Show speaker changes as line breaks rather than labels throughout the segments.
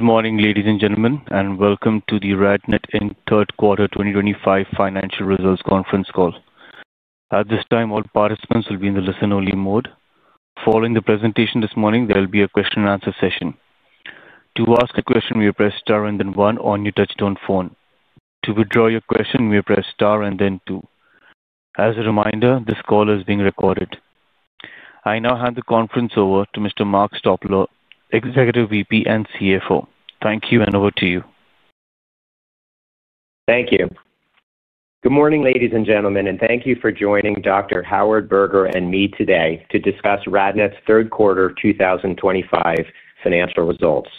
Good morning, ladies and gentlemen, and welcome to the RadNet Third Quarter 2025 Financial Results Conference Call. At this time, all participants will be in the listen-only mode. Following the presentation this morning, there will be a question-and-answer session. To ask a question, please press star and then one on your touch-tone phone. To withdraw your question, please press star and then two. As a reminder, this call is being recorded. I now hand the conference over to Mr. Mark Stolper, Executive VP and CFO. Thank you, and over to you.
Thank you. Good morning, ladies and gentlemen, and thank you for joining Dr. Howard Berger and me today to discuss RadNet's third quarter 2025 financial results.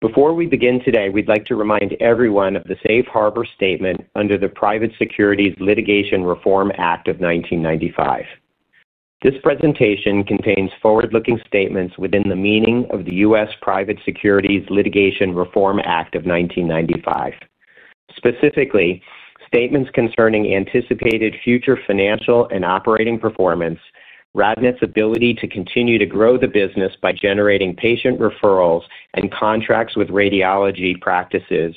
Before we begin today, we'd like to remind everyone of the Safe Harbor Statement under the Private Securities Litigation Reform Act of 1995. This presentation contains forward-looking statements within the meaning of the U.S. Private Securities Litigation Reform Act of 1995. Specifically, statements concerning anticipated future financial and operating performance, RadNet's ability to continue to grow the business by generating patient referrals and contracts with radiology practices,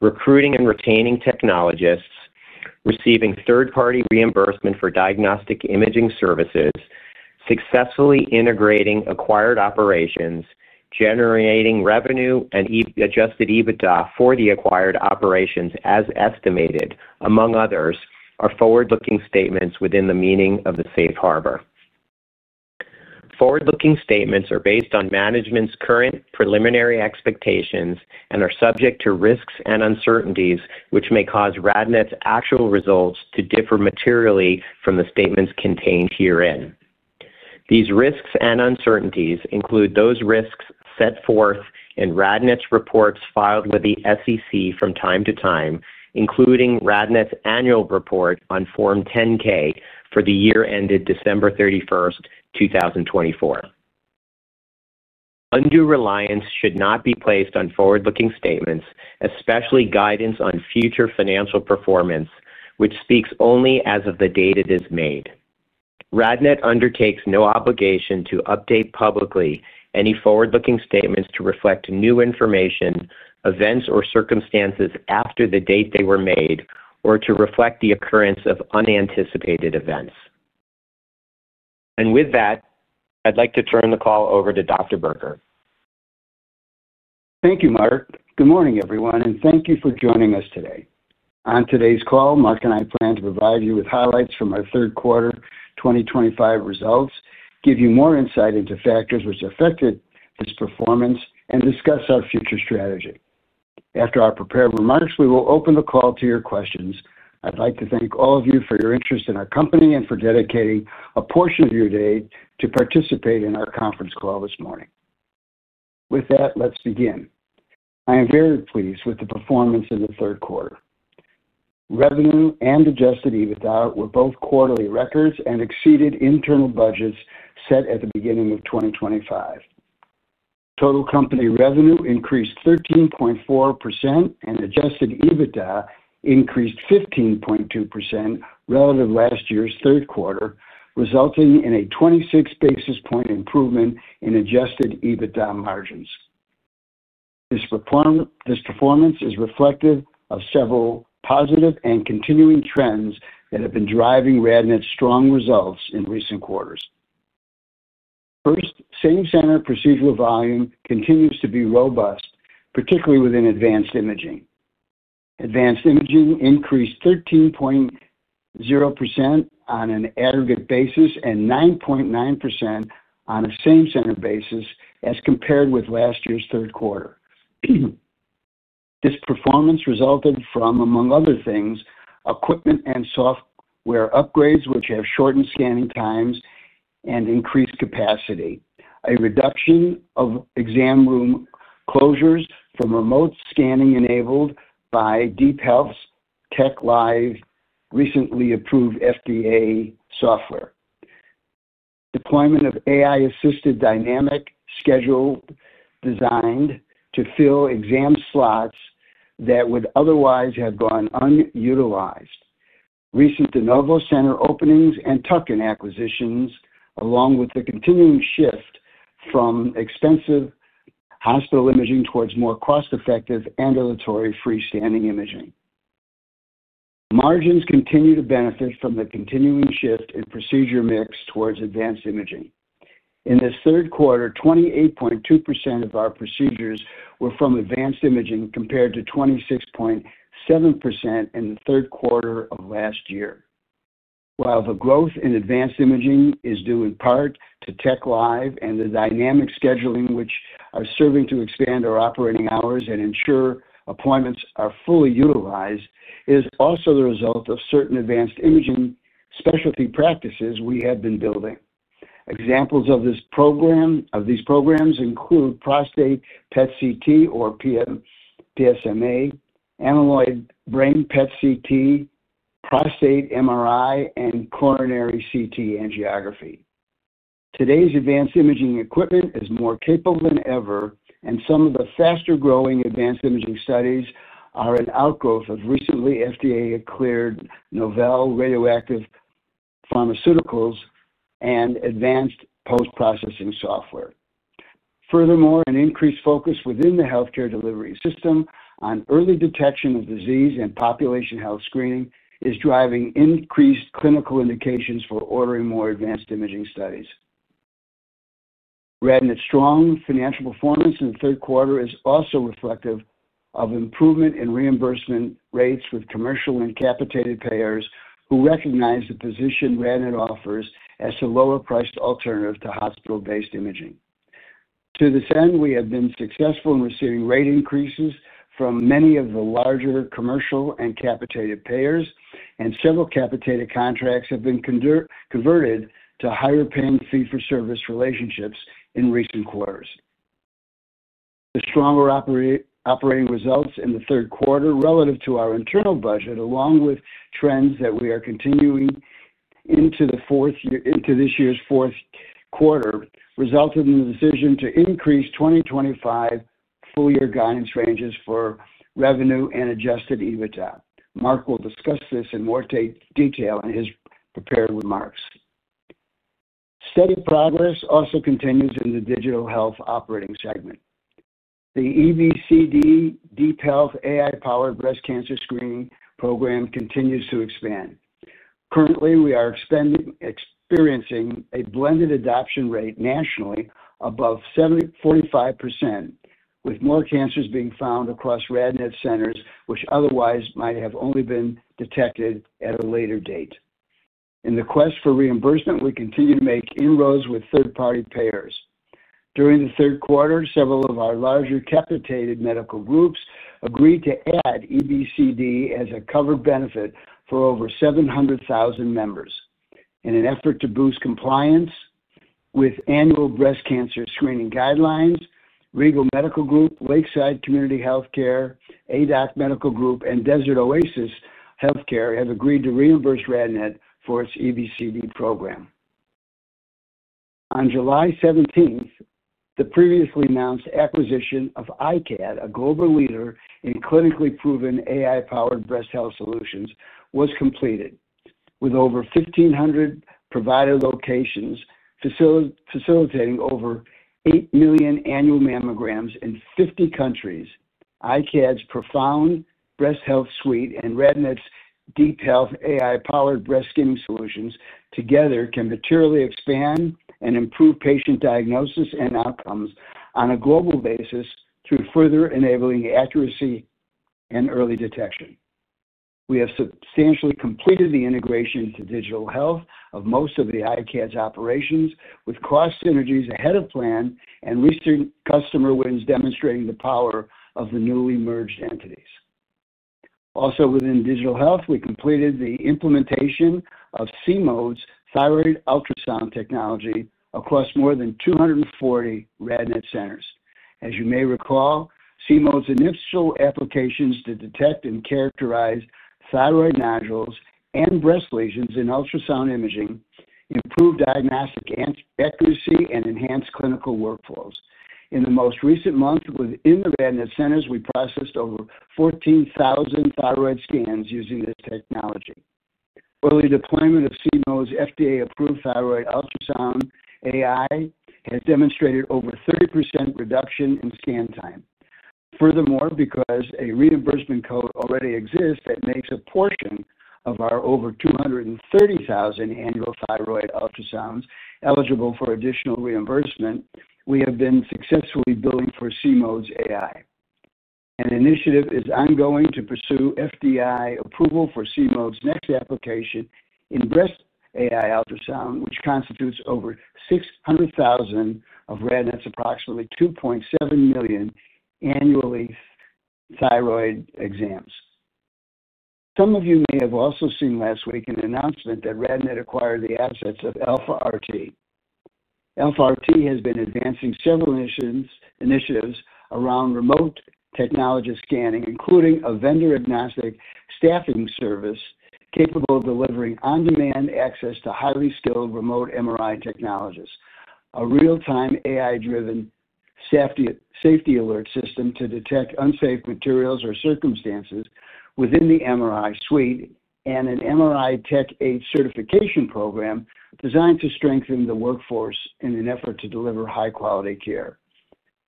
recruiting and retaining technologists, receiving third-party reimbursement for diagnostic imaging services, successfully integrating acquired operations, generating revenue and adjusted EBITDA for the acquired operations as estimated, among others, are forward-looking statements within the meaning of the Safe Harbor. Forward-looking statements are based on management's current preliminary expectations and are subject to risks and uncertainties which may cause RadNet's actual results to differ materially from the statements contained herein. These risks and uncertainties include those risks set forth in RadNet's reports filed with the SEC from time to time, including RadNet's annual report on Form 10-K for the year ended December 31st, 2024. Undue reliance should not be placed on forward-looking statements, especially guidance on future financial performance, which speaks only as of the date it is made. RadNet undertakes no obligation to update publicly any forward-looking statements to reflect new information, events, or circumstances after the date they were made, or to reflect the occurrence of unanticipated events. I'd like to turn the call over to Dr. Berger.
Thank you, Mark. Good morning, everyone, and thank you for joining us today. On today's call, Mark and I plan to provide you with highlights from our third quarter 2025 results, give you more insight into factors which affected this performance, and discuss our future strategy. After our prepared remarks, we will open the call to your questions. I'd like to thank all of you for your interest in our company and for dedicating a portion of your day to participate in our conference call this morning. With that, let's begin. I am very pleased with the performance in the third quarter. Revenue and adjusted EBITDA were both quarterly records and exceeded internal budgets set at the beginning of 2025. Total company revenue increased 13.4%, and adjusted EBITDA increased 15.2% relative to last year's third quarter, resulting in a 26 basis point improvement in adjusted EBITDA margins. This performance is reflective of several positive and continuing trends that have been driving RadNet's strong results in recent quarters. First, same-center procedural volume continues to be robust, particularly within advanced imaging. Advanced Imaging increased 13.0% on an aggregate basis and 9.9% on a same-center basis as compared with last year's third quarter. This performance resulted from, among other things, equipment and software upgrades which have shortened scanning times and increased capacity, a reduction of exam room closures from remote scanning enabled by DeepHealth's TechLive recently approved FDA software, deployment of AI-assisted dynamic scheduling designed to fill exam slots that would otherwise have gone unutilized, recent de novo center openings and tuck-in acquisitions, along with the continuing shift from expensive hospital imaging towards more cost-effective ambulatory freestanding imaging. Margins continue to benefit from the continuing shift in procedure mix towards advanced imaging. In this third quarter, 28.2% of our procedures were from Advanced Imaging compared to 26.7% in the third quarter of last year. While the growth in Advanced Imaging is due in part to TechLive and the dynamic scheduling which are serving to expand our operating hours and ensure appointments are fully utilized, it is also the result of certain Advanced Imaging specialty practices we have been building. Examples of these programs include prostate PET/CT or PSMA, amyloid brain PET/CT, prostate MRI, and coronary CT angiography. Today's advanced imaging equipment is more capable than ever, and some of the faster-growing advanced imaging studies are an outgrowth of recently FDA-cleared novel radioactive pharmaceuticals and advanced post-processing software. Furthermore, an increased focus within the healthcare delivery system on early detection of disease and population health screening is driving increased clinical indications for ordering more advanced imaging studies. RadNet's strong financial performance in the third quarter is also reflective of improvement in reimbursement rates with commercial and capitated payers who recognize the position RadNet offers as a lower-priced alternative to hospital-based imaging. To this end, we have been successful in receiving rate increases from many of the larger commercial and capitated payers, and several capitated contracts have been converted to higher pay and fee-for-service relationships in recent quarters. The stronger operating results in the third quarter relative to our internal budget, along with trends that we are continuing into this year's fourth quarter, resulted in the decision to increase 2025 full-year guidance ranges for revenue and adjusted EBITDA. Mark will discuss this in more detail in his prepared remarks. Steady progress also continues in the Digital Health operating segment. The EBCD DeepHealth AI-powered breast cancer screening program continues to expand. Currently, we are experiencing a blended adoption rate nationally above 45%, with more cancers being found across RadNet centers which otherwise might have only been detected at a later date. In the quest for reimbursement, we continue to make inroads with third-party payers. During the third quarter, several of our larger capitated medical groups agreed to add EBCD as a covered benefit for over 700,000 members. In an effort to boost compliance with annual breast cancer screening guidelines, Regal Medical Group, Lakeside Community Healthcare, ADOC Medical Group, and Desert Oasis Healthcare have agreed to reimburse RadNet for its EBCD program. On July 17th, the previously announced acquisition of iCAD, a global leader in clinically proven AI-powered breast health solutions, was completed. With over 1,500 provider locations facilitating over 8 million annual mammograms in 50 countries, iCAD's ProFound breast health suite and RadNet's DeepHealth AI-powered breast skin solutions together can materially expand and improve patient diagnosis and outcomes on a global basis through further enabling accuracy and early detection. We have substantially completed the integration to Digital Health of most of iCAD's operations, with cost synergies ahead of plan and recent customer wins demonstrating the power of the newly merged entities. Also, within Digital Health, we completed the implementation of See-Mode's thyroid ultrasound technology across more than 240 RadNet centers. As you may recall, See-Mode's initial applications to detect and characterize thyroid nodules and breast lesions in ultrasound imaging improved diagnostic accuracy and enhanced clinical workflows. In the most recent month within the RadNet centers, we processed over 14,000 thyroid scans using this technology. Early deployment of See-Mode's FDA-approved thyroid ultrasound AI has demonstrated over 30% reduction in scan time. Furthermore, because a reimbursement code already exists that makes a portion of our over 230,000 annual thyroid ultrasounds eligible for additional reimbursement, we have been successfully billing for See-Mode's AI. An initiative is ongoing to pursue FDA approval for See-Mode's next application in breast AI ultrasound, which constitutes over 600,000 of RadNet's approximately 2.7 million annual thyroid exams. Some of you may have also seen last week an announcement that RadNet acquired the assets of Alpha RT. Alpha RT has been advancing several initiatives around remote technology scanning, including a vendor-agnostic staffing service capable of delivering on-demand access to highly skilled remote MRI technologists, a real-time AI-driven safety alert system to detect unsafe materials or circumstances within the MRI suite, and an MRI Tech Aide Certification program designed to strengthen the workforce in an effort to deliver high-quality care.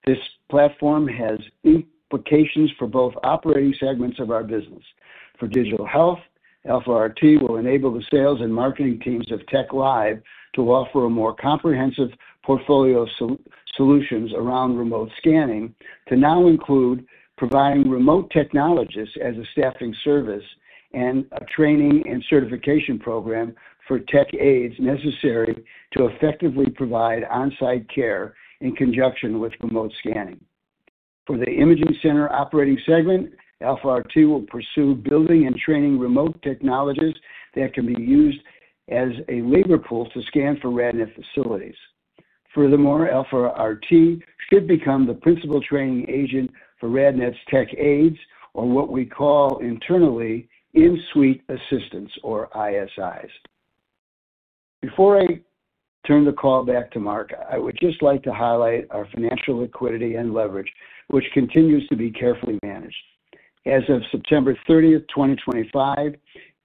This platform has implications for both operating segments of our business. For digital health, Alpha RT will enable the sales and marketing teams of TechLive to offer a more comprehensive portfolio of solutions around remote scanning to now include providing remote technologists as a staffing service and a training and certification program for tech aids necessary to effectively provide on-site care in conjunction with remote scanning. For the imaging center operating segment, Alpha RT will pursue building and traini ng remote technologists that can be used as a labor pool to scan for RadNet facilities. Furthermore, AlphaRT should become the principal training agent for RadNet's tech aids, or what we call internally in-suite assistants, or ISIs. Before I turn the call back to Mark, I would just like to highlight our financial liquidity and leverage, which continues to be carefully managed. As of September 30th, 2025,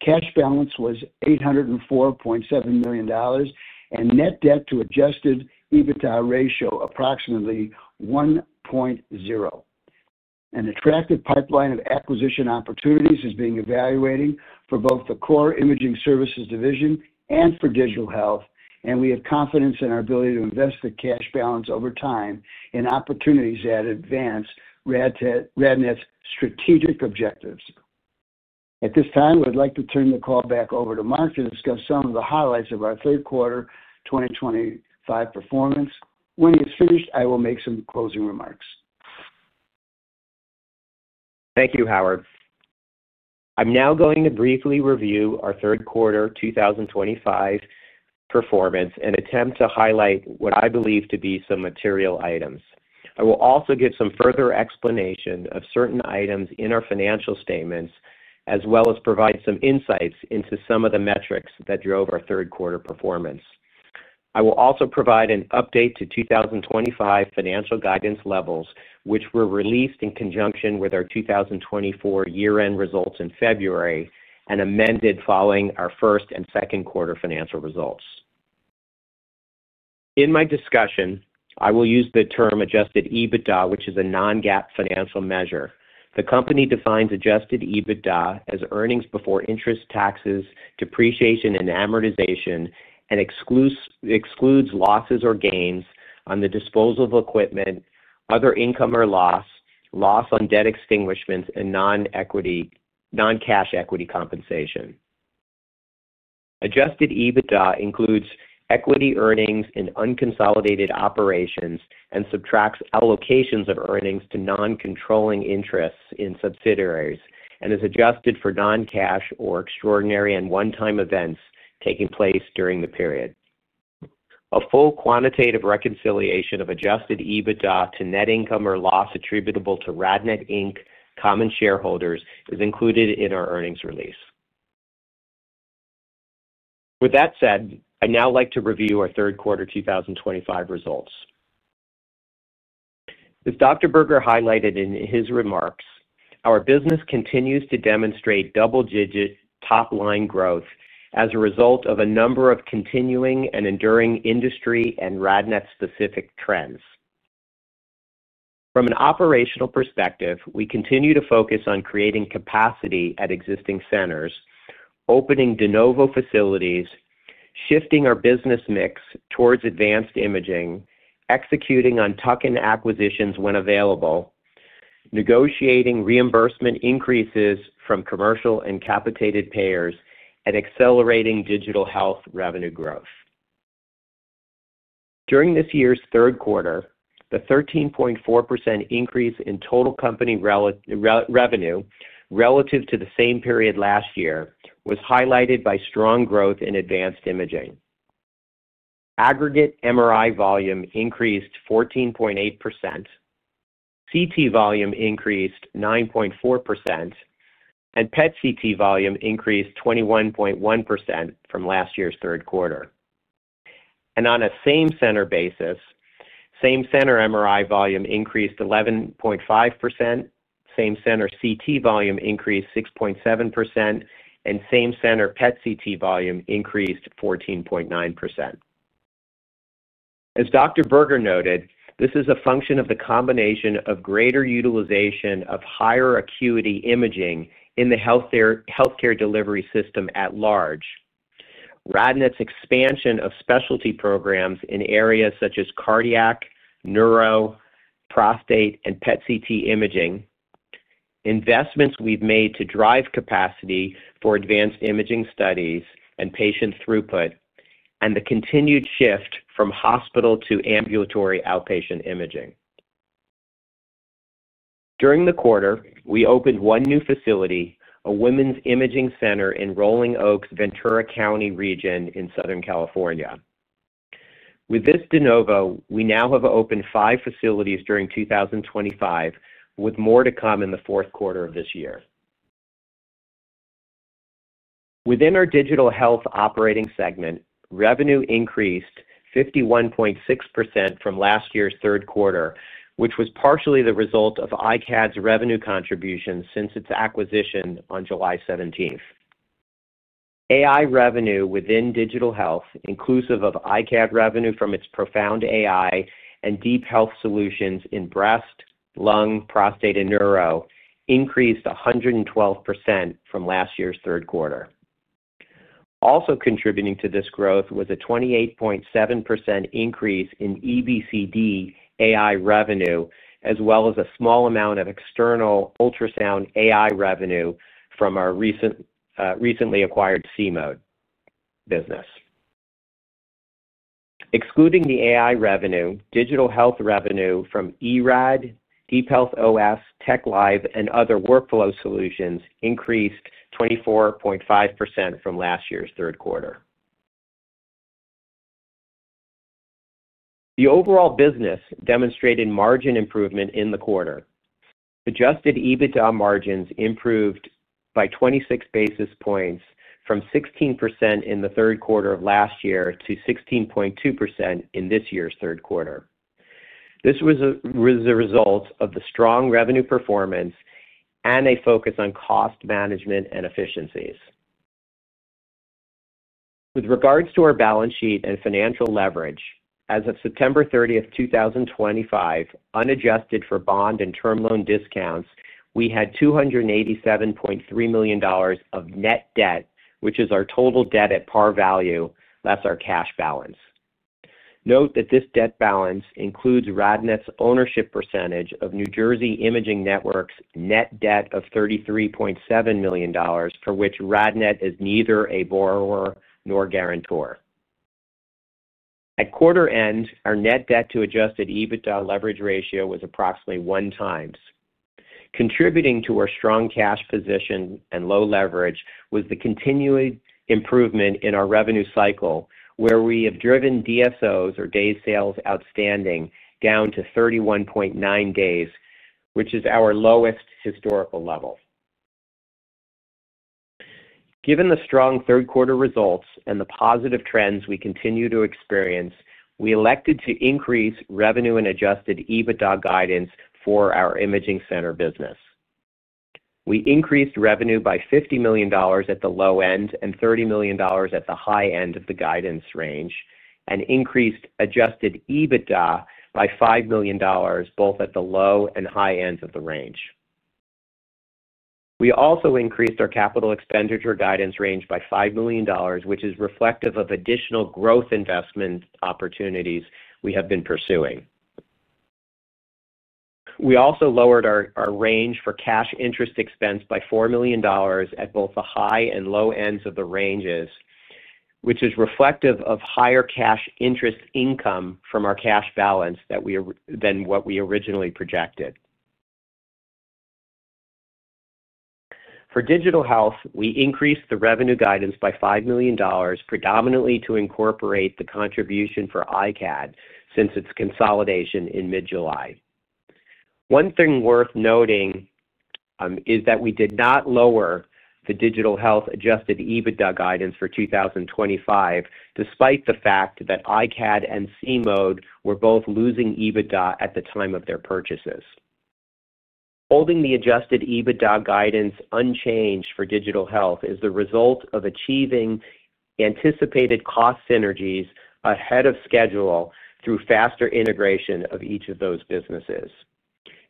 cash balance was $804.7 million and net debt to adjusted EBITDA ratio approximately 1.0. An attractive pipeline of acquisition opportunities is being evaluated for both the core imaging services division and for digital health, and we have confidence in our ability to invest the cash balance over time in opportunities that advance RadNet's strategic objectives. At this time, I would like to turn the call back over to Mark to discuss some of the highlights of our third quarter 2025 performance. When he is finished, I will make some closing remarks.
Thank you, Howard. I'm now going to briefly review our third quarter 2025 performance and attempt to highlight what I believe to be some material items. I will also give some further explanation of certain items in our financial statements, as well as provide some insights into some of the metrics that drove our third quarter performance. I will also provide an update to 2025 financial guidance levels, which were released in conjunction with our 2024 year-end results in February and amended following our first and second quarter financial results. In my discussion, I will use the term adjusted EBITDA, which is a non-GAAP financial measure. The company defines adjusted EBITDA as earnings before interest, taxes, depreciation, and amortization, and excludes losses or gains on the disposal of equipment, other income or loss, loss on debt extinguishments, and non-cash equity compensation. Adjusted EBITDA includes equity earnings in unconsolidated operations and subtracts allocations of earnings to non-controlling interests in subsidiaries and is adjusted for non-cash or extraordinary and one-time events taking place during the period. A full quantitative reconciliation of adjusted EBITDA to net income or loss attributable to RadNet, common shareholders is included in our earnings release. With that said, I'd now like to review our third quarter 2025 results. As Dr. Berger highlighted in his remarks, our business continues to demonstrate double-digit top-line growth as a result of a number of continuing and enduring industry and RadNet-specific trends. From an operational perspective, we continue to focus on creating capacity at existing centers, opening de novo facilities, shifting our business mix towards advanced imaging, executing on tuck-in acquisitions when available, negotiating reimbursement increases from commercial and capitated payers, and accelerating digital health revenue growth. During this year's third quarter, the 13.4% increase in total company revenue relative to the same period last year was highlighted by strong growth in Advanced Imaging. Aggregate MRI volume increased 14.8%, CT volume increased 9.4%, and PET/CT volume increased 21.1% from last year's third quarter. On a same-center basis, same-center MRI volume increased 11.5%, same-center CT volume increased 6.7%, and same-center PET/CT volume increased 14.9%. As Dr. Berger noted, this is a function of the combination of greater utilization of higher acuity imaging in the healthcare delivery system at large. RadNet's expansion of specialty programs in areas such as cardiac, neuro, prostate, and PET/CT imaging, investments we've made to drive capacity for advanced imaging studies and patient throughput, and the continued shift from hospital to ambulatory outpatient imaging. During the quarter, we opened one new facility, a women's imaging center in Rolling Oaks, Ventura County region in Southern California. With this de novo, we now have opened five facilities during 2025, with more to come in the fourth quarter of this year. Within our Digital Health operating segment, revenue increased 51.6% from last year's third quarter, which was partially the result of iCAD's revenue contributions since its acquisition on July 17th. AI revenue within Digital Health, inclusive of iCAD revenue from its ProFound AI and DeepHealth solutions in breast, lung, prostate, and neuro, increased 112% from last year's third quarter. Also contributing to this growth was a 28.7% increase in EBCD AI revenue, as well as a small amount of external ultrasound AI revenue from our recently acquired See-Mode business. Excluding the AI revenue, Digital Health revenue from eRAD, DeepHealth OS, TechLive, and other workflow solutions increased 24.5% from last year's third quarter. The overall business demonstrated margin improvement in the quarter. Adjusted EBITDA margins improved by 26 basis points from 16% in the third quarter of last year to 16.2% in this year's third quarter. This was the result of the strong revenue performance and a focus on cost management and efficiencies. With regards to our balance sheet and financial leverage, as of September 30th, 2025, unadjusted for bond and term loan discounts, we had $287.3 million of net debt, which is our total debt at par value less our cash balance. Note that this debt balance includes RadNet's ownership percentage of New Jersey Imaging Network's net debt of $33.7 million, for which RadNet is neither a borrower nor guarantor. At quarter end, our net debt to adjusted EBITDA leverage ratio was approximately 1x. Contributing to our strong cash position and low leverage was the continued improvement in our revenue cycle, where we have driven DSOs, or days sales outstanding, down to 31.9 days, which is our lowest historical level. Given the strong third-quarter results and the positive trends we continue to experience, we elected to increase revenue and adjusted EBITDA guidance for our imaging center business. We increased revenue by $50 million at the low end and $30 million at the high end of the guidance range and increased adjusted EBITDA by $5 million, both at the low and high ends of the range. We also increased our capital expenditure guidance range by $5 million, which is reflective of additional growth investment opportunities we have been pursuing. We also lowered our range for cash interest expense by $4 million at both the high and low ends of the ranges, which is reflective of higher cash interest income from our cash balance than what we originally projected. For Digital Health, we increased the revenue guidance by $5 million, predominantly to incorporate the contribution for iCAD since its consolidation in mid-July. One thing worth noting is that we did not lower the Digital Health adjusted EBITDA guidance for 2025, despite the fact that iCAD and See-Mode were both losing EBITDA at the time of their purchases. Holding the adjusted EBITDA guidance unchanged for Digital Health is the result of achieving anticipated cost synergies ahead of schedule through faster integration of each of those businesses.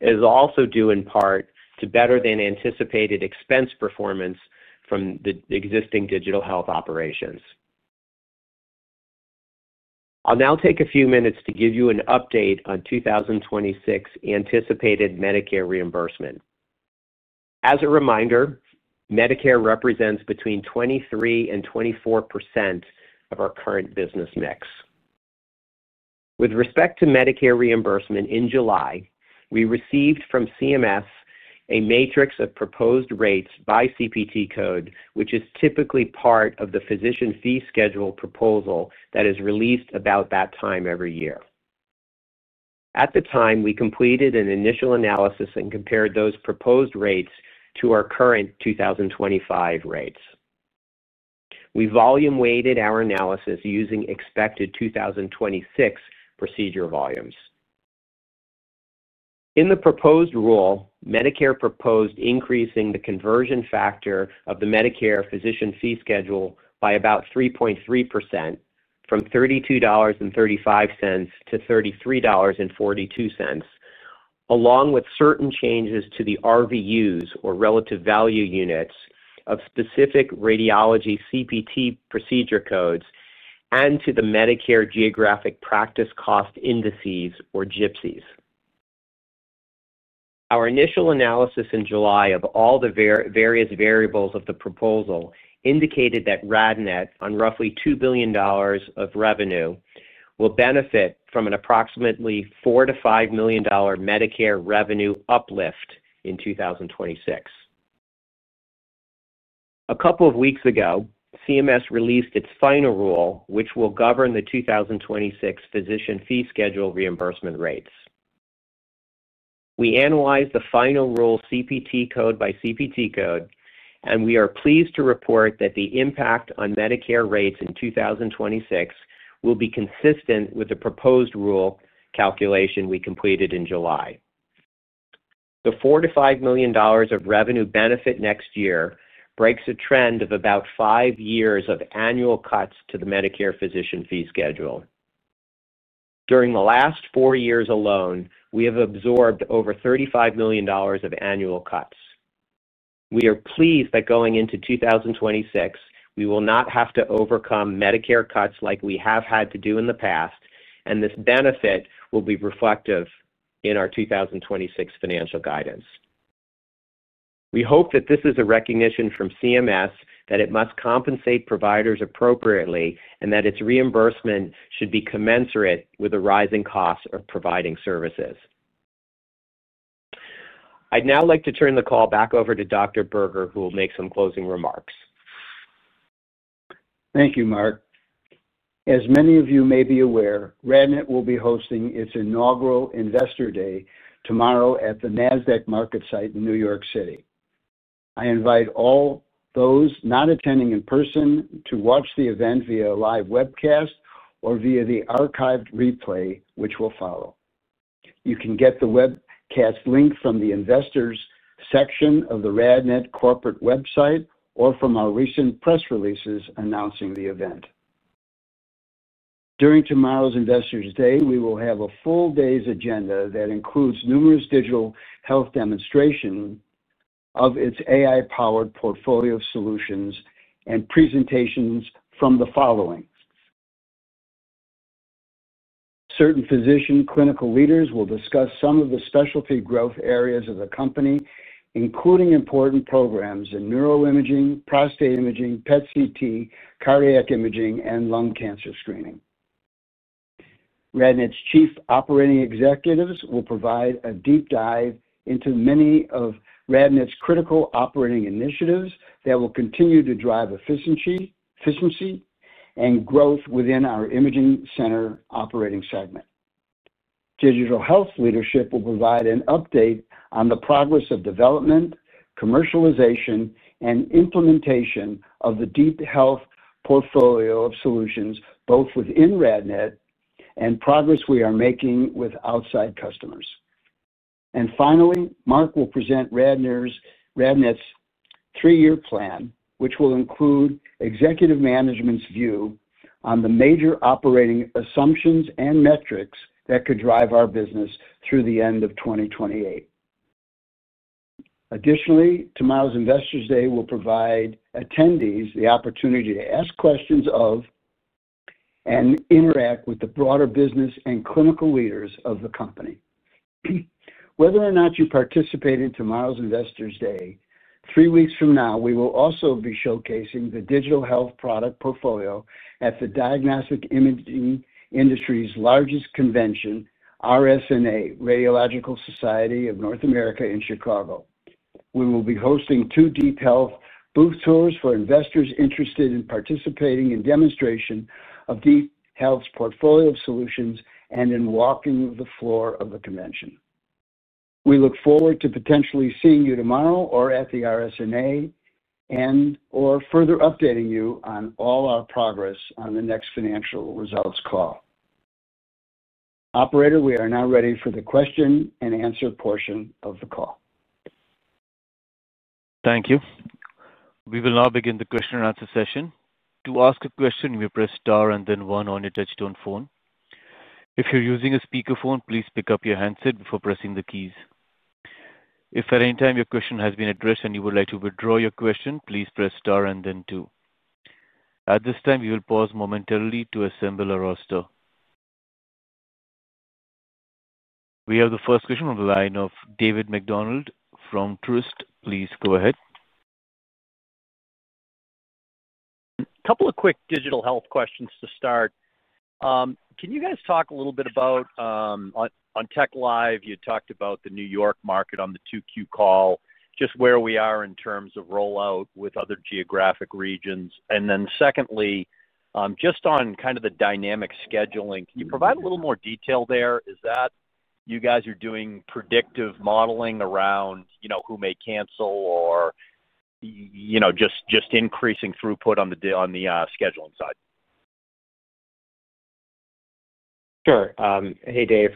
It is also due in part to better-than-anticipated expense performance from the existing Digital Health operations. I'll now take a few minutes to give you an update on 2026 anticipated Medicare reimbursement. As a reminder, Medicare represents between 23% and 24% of our current business mix. With respect to Medicare reimbursement in July, we received from CMS a matrix of proposed rates by CPT code, which is typically part of the physician fee schedule proposal that is released about that time every year. At the time, we completed an initial analysis and compared those proposed rates to our current 2025 rates. We volume-weighted our analysis using expected 2026 procedure volumes. In the proposed rule, Medicare proposed increasing the conversion factor of the Medicare physician fee schedule by about 3.3% from $32.35 to $33.42, along with certain changes to the RVUs, or relative value units, of specific radiology CPT procedure codes and to the Medicare geographic practice cost indices, or GPCIs. Our initial analysis in July of all the various variables of the proposal indicated that RadNet, on roughly $2 billion of revenue, will benefit from an approximately $4 million-$5 million Medicare revenue uplift in 2026. A couple of weeks ago, CMS released its final rule, which will govern the 2026 physician fee schedule reimbursement rates. We analyzed the final rule CPT code by CPT code, and we are pleased to report that the impact on Medicare rates in 2026 will be consistent with the proposed rule calculation we completed in July. The $4 million-$5 million of revenue benefit next year breaks a trend of about five years of annual cuts to the Medicare physician fee schedule. During the last four years alone, we have absorbed over $35 million of annual cuts. We are pleased that going into 2026, we will not have to overcome Medicare cuts like we have had to do in the past, and this benefit will be reflective in our 2026 financial guidance. We hope that this is a recognition from CMS that it must compensate providers appropriately and that its reimbursement should be commensurate with the rising costs of providing services. I'd now like to turn the call back over to Dr. Berger, who will make some closing remarks.
Thank you, Mark. As many of you may be aware, RadNet will be hosting its inaugural Investor Day tomorrow at the Nasdaq MarketSite in New York City. I invite all those not attending in person to watch the event via a live webcast or via the archived replay, which will follow. You can get the webcast link from the Investors section of the RadNet corporate website or from our recent press releases announcing the event. During tomorrow's Investors Day, we will have a full day's agenda that includes numerous digital health demonstrations of its AI-powered portfolio solutions and presentations from the following. Certain physician clinical leaders will discuss some of the specialty growth areas of the company, including important programs in neuroimaging, prostate imaging, PET/CT, cardiac imaging, and lung cancer screening. RadNet's chief operating executives will provide a deep dive into many of RadNet's critical operating initiatives that will continue to drive efficiency and growth within our Imaging Center operating segment. Digital Health leadership will provide an update on the progress of development, commercialization, and implementation of the DeepHealth portfolio of solutions, both within RadNet and progress we are making with outside customers. Finally, Mark will present RadNet's three-year plan, which will include executive management's view on the major operating assumptions and metrics that could drive our business through the end of 2028. Additionally, tomorrow's Investor Day will provide attendees the opportunity to ask questions of and interact with the broader business and clinical leaders of the company. Whether or not you participate in tomorrow's Investor Day, three weeks from now, we will also be showcasing the Digital Health product portfolio at the diagnostic imaging industry's largest convention, RSNA, Radiological Society of North America in Chicago. We will be hosting two DeepHealth booth tours for investors interested in participating in demonstration of DeepHealth's portfolio of solutions and in walking the floor of the convention. We look forward to potentially seeing you tomorrow or at the RSNA and/or further updating you on all our progress on the next financial results call.
Operator, we are now ready for the question-and-answer portion of the call.
Thank you. We will now begin the question-and-answer session. To ask a question, you may press star and then one on your touchstone phone. If you're using a speakerphone, please pick up your handset before pressing the keys. If at any time your question has been addressed and you would like to withdraw your question, please press star and then two. At this time, we will pause momentarily to assemble a roster. We have the first question on the line of David MacDonald from Truist. Please go ahead.
A couple of quick Digital Health questions to start. Can you guys talk a little bit about on TechLive, you talked about the New York market on the 2Q call, just where we are in terms of rollout with other geographic regions. And then secondly, just on kind of the dynamic scheduling, can you provide a little more detail there? Is that you guys are doing predictive modeling around who may cancel or just increasing throughput on the scheduling side?
Sure. Hey, Dave,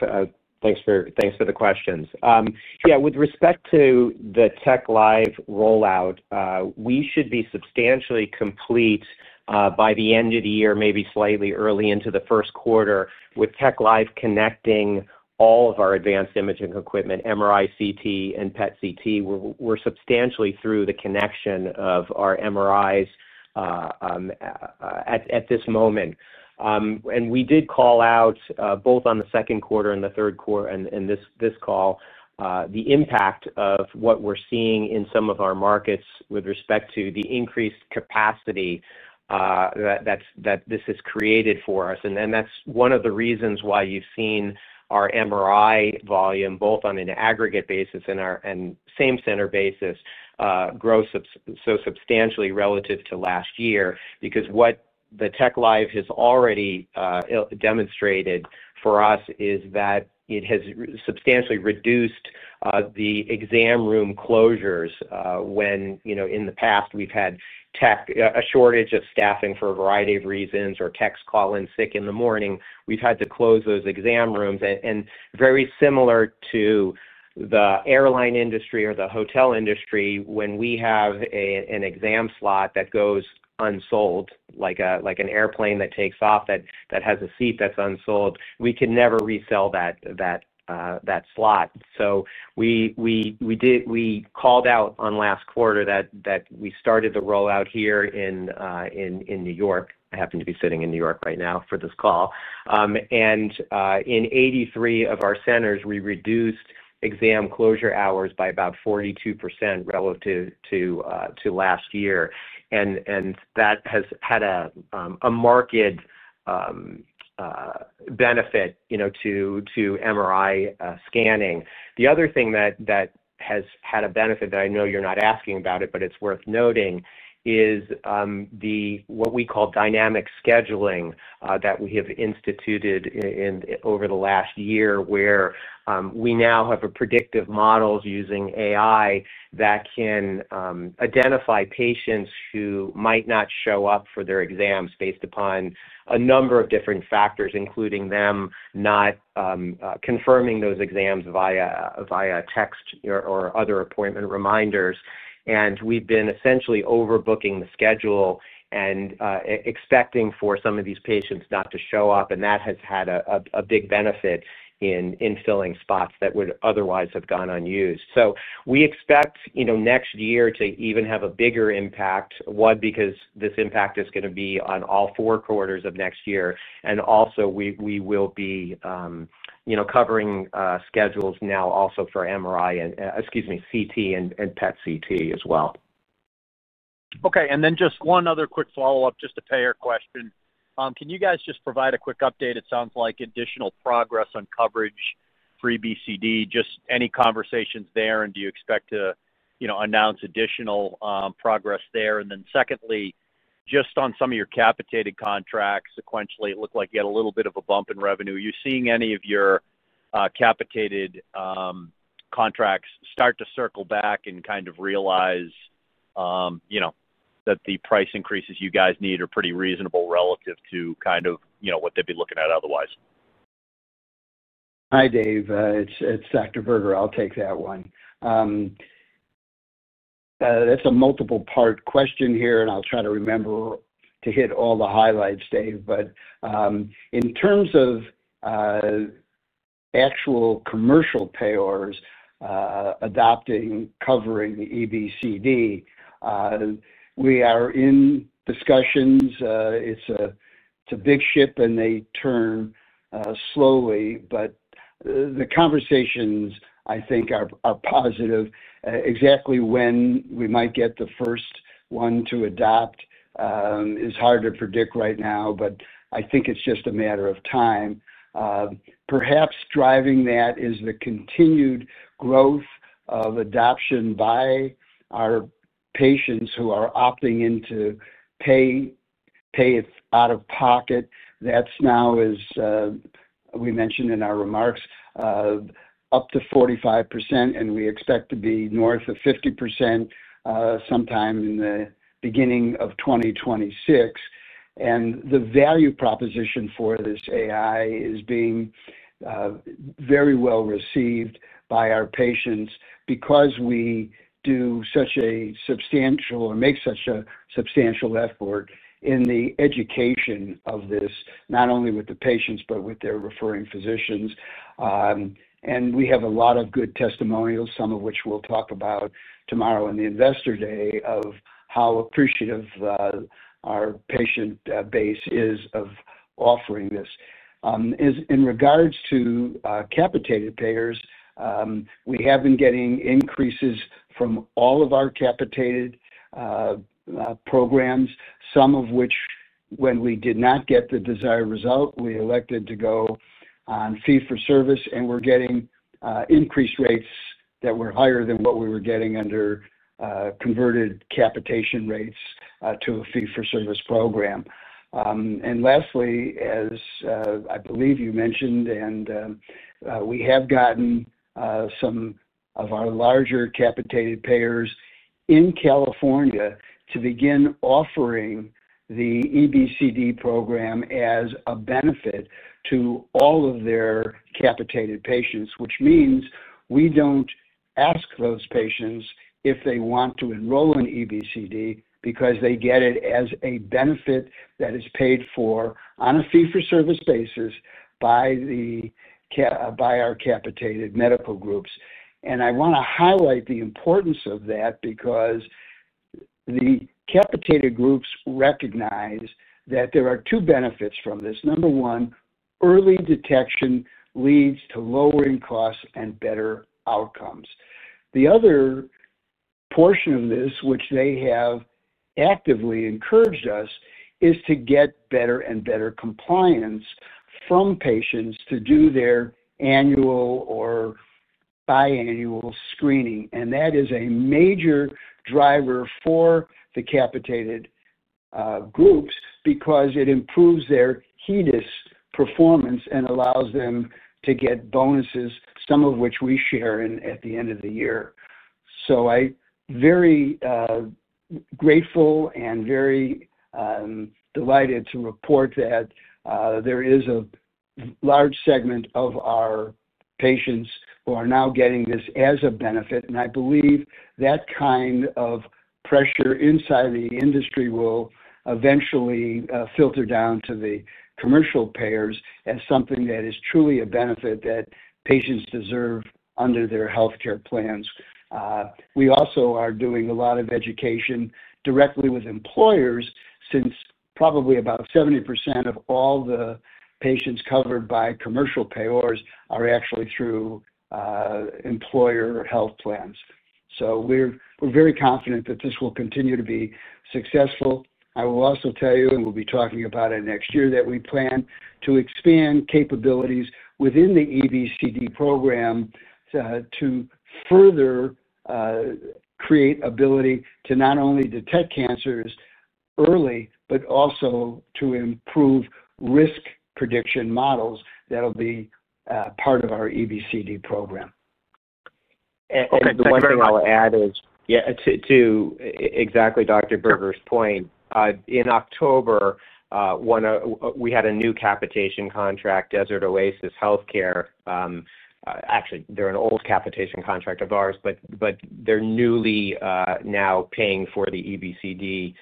thanks for the questions. Yeah, with respect to the TechLive rollout, we should be substantially complete by the end of the year, maybe slightly early into the first quarter. With TechLive connecting all of our advanced imaging equipment, MRI, CT, and PET/CT, we're substantially through the connection of our MRIs at this moment. And we did call out both on the second quarter and the third quarter and this call the impact of what we're seeing in some of our markets with respect to the increased capacity that this has created for us. That is one of the reasons why you have seen our MRI volume, both on an aggregate basis and same-center basis, grow so substantially relative to last year. What the TechLive has already demonstrated for us is that it has substantially reduced the exam room closures when in the past we have had a shortage of staffing for a variety of reasons or techs call in sick in the morning. We have had to close those exam rooms. Very similar to the airline industry or the hotel industry, when we have an exam slot that goes unsold, like an airplane that takes off that has a seat that is unsold, we can never resell that slot. We called out last quarter that we started the rollout here in New York. I happen to be sitting in New York right now for this call. In 83 of our centers, we reduced exam closure hours by about 42% relative to last year. That has had a marked benefit to MRI scanning. The other thing that has had a benefit that I know you're not asking about, but it's worth noting, is what we call dynamic scheduling that we have instituted over the last year, where we now have predictive models using AI that can identify patients who might not show up for their exams based upon a number of different factors, including them not confirming those exams via text or other appointment reminders. We've been essentially overbooking the schedule and expecting for some of these patients not to show up. That has had a big benefit in filling spots that would otherwise have gone unused. We expect next year to even have a bigger impact, one, because this impact is going to be on all four quarters of next year. Also, we will be covering schedules now also for MRI and, excuse me, CT and PET/CT as well.
Okay. Just one other quick follow-up, just to pay your question. Can you guys just provide a quick update? It sounds like additional progress on coverage for EBCD. Just any conversations there? Do you expect to announce additional progress there? Secondly, just on some of your capitated contracts, sequentially, it looked like you had a little bit of a bump in revenue. Are you seeing any of your capitated contracts start to circle back and kind of realize that the price increases you guys need are pretty reasonable relative to kind of what they'd be looking at otherwise?
Hi, Dave. It's Dr. Berger. I'll take that one. That's a multiple-part question here, and I'll try to remember to hit all the highlights, Dave. In terms of actual commercial payers adopting covering EBCD, we are in discussions. It's a big ship, and they turn slowly. The conversations, I think, are positive. Exactly when we might get the first one to adopt is hard to predict right now, but I think it's just a matter of time. Perhaps driving that is the continued growth of adoption by our patients who are opting in to pay it out of pocket. That's now, as we mentioned in our remarks, up to 45%, and we expect to be north of 50% sometime in the beginning of 2026. The value proposition for this AI is being very well received by our patients because we do such a substantial or make such a substantial effort in the education of this, not only with the patients but with their referring physicians. We have a lot of good testimonials, some of which we'll talk about tomorrow on the Investor Day, of how appreciative our patient base is of offering this. In regards to capitated payers, we have been getting increases from all of our capitated programs, some of which, when we did not get the desired result, we elected to go on fee-for-service, and we're getting increased rates that were higher than what we were getting under converted capitation rates to a fee-for-service program. Lastly, as I believe you mentioned, we have gotten some of our larger capitated payers in California to begin offering the EBCD program as a benefit to all of their capitated patients, which means we do not ask those patients if they want to enroll in EBCD because they get it as a benefit that is paid for on a fee-for-service basis by our capitated medical groups. I want to highlight the importance of that because the capitated groups recognize that there are two benefits from this. Number one, early detection leads to lowering costs and better outcomes. The other portion of this, which they have actively encouraged us, is to get better and better compliance from patients to do their annual or biannual screening. That is a major driver for the capitated groups because it improves their HEDIS performance and allows them to get bonuses, some of which we share at the end of the year. I am very grateful and very delighted to report that there is a large segment of our patients who are now getting this as a benefit. I believe that kind of pressure inside the industry will eventually filter down to the commercial payers as something that is truly a benefit that patients deserve under their healthcare plans. We also are doing a lot of education directly with employers since probably about 70% of all the patients covered by commercial payers are actually through employer health plans. We are very confident that this will continue to be successful. I will also tell you, and we'll be talking about it next year, that we plan to expand capabilities within the EBCD program to further create ability to not only detect cancers early but also to improve risk prediction models that'll be part of our EBCD program.
The one thing I'll add is, yeah, to exactly Dr. Berger's point. In October, we had a new capitation contract, Desert Oasis Healthcare. Actually, they're an old capitation contract of ours, but they're newly now paying for the EBCD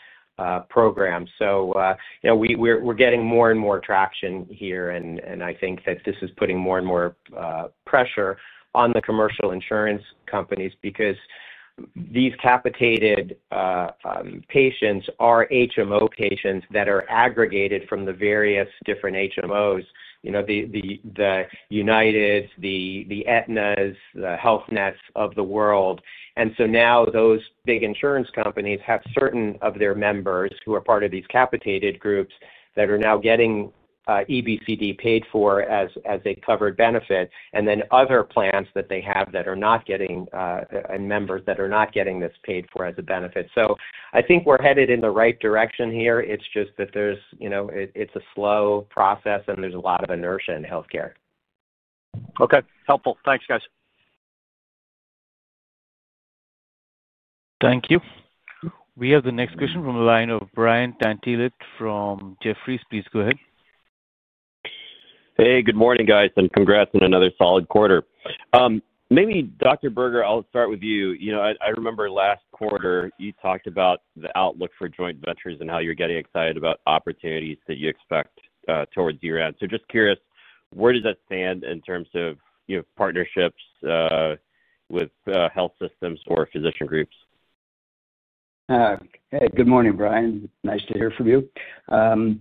program. We're getting more and more traction here, and I think that this is putting more and more pressure on the commercial insurance companies because these capitated patients are HMO patients that are aggregated from the various different HMOs, the United, the Aetna, the Health Net of the world. Now those big insurance companies have certain of their members who are part of these capitated groups that are now getting EBCD paid for as a covered benefit, and then other plans that they have that are not getting and members that are not getting this paid for as a benefit. I think we're headed in the right direction here. It's just that it's a slow process, and there's a lot of inertia in healthcare.
Okay. Helpful. Thanks, guys.
Thank you. We have the next question from the line of Brian Tanquilut from Jefferies. Please go ahead.
Hey, good morning, guys, and congrats on another solid quarter. Maybe, Dr. Berger, I'll start with you. I remember last quarter, you talked about the outlook for joint ventures and how you're getting excited about opportunities that you expect towards year-end. Just curious, where does that stand in terms of partnerships with health systems or physician groups?
Hey, good morning, Brian. Nice to hear from you.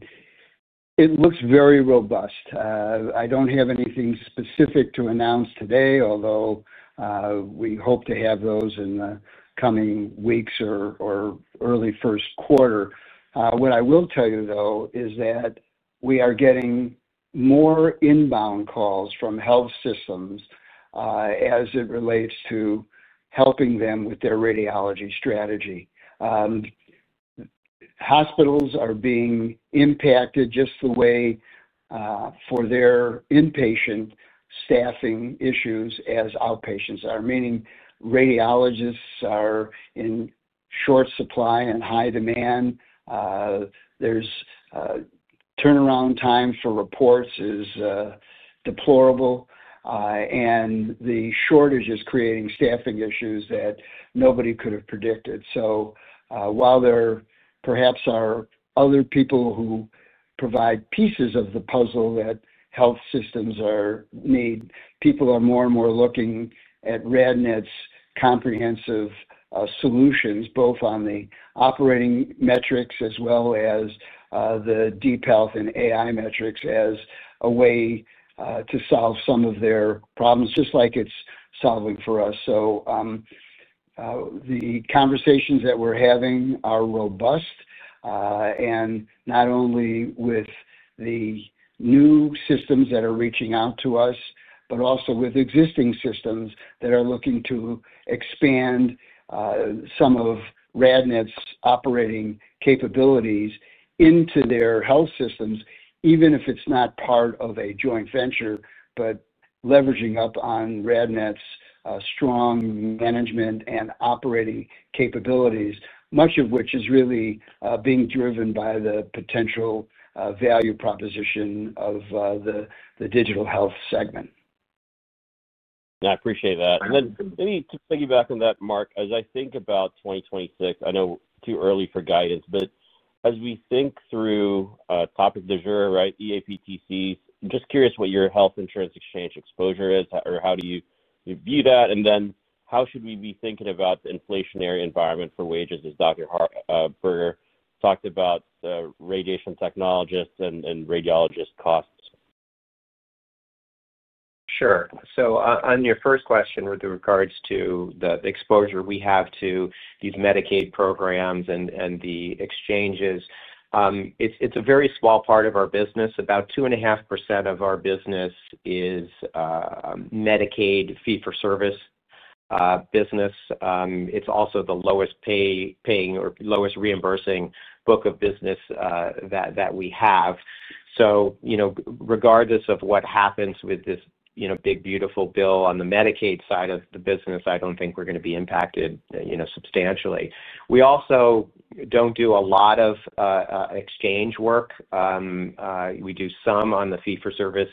It looks very robust. I do not have anything specific to announce today, although we hope to have those in the coming weeks or early first quarter. What I will tell you, though, is that we are getting more inbound calls from health systems as it relates to helping them with their radiology strategy. Hospitals are being impacted just the way for their inpatient staffing issues as outpatients are, meaning radiologists are in short supply and high demand. The turnaround time for reports is deplorable, and the shortage is creating staffing issues that nobody could have predicted. While there perhaps are other people who provide pieces of the puzzle that health systems need, people are more and more looking at RadNet's comprehensive solutions, both on the operating metrics as well as the DeepHealth and AI metrics as a way to solve some of their problems, just like it's solving for us. The conversations that we're having are robust, and not only with the new systems that are reaching out to us, but also with existing systems that are looking to expand some of RadNet's operating capabilities into their health systems, even if it's not part of a joint venture, but leveraging up on RadNet's strong management and operating capabilities, much of which is really being driven by the potential value proposition of the Digital Health segment.
Yeah, I appreciate that. Maybe to piggyback on that, Mark, as I think about 2026, I know too early for guidance, but as we think through topic de jure, right, EAPTCs, I'm just curious what your health insurance exchange exposure is, or how do you view that? How should we be thinking about the inflationary environment for wages as Dr. Berger talked about radiation technologists and radiologist costs?
Sure. On your first question with regards to the exposure we have to these Medicaid programs and the exchanges, it's a very small part of our business. About 2.5% of our business is Medicaid fee-for-service business. It's also the lowest paying or lowest reimbursing book of business that we have. Regardless of what happens with this big, beautiful bill on the Medicaid side of the business, I don't think we're going to be impacted substantially. We also don't do a lot of exchange work. We do some on the fee-for-service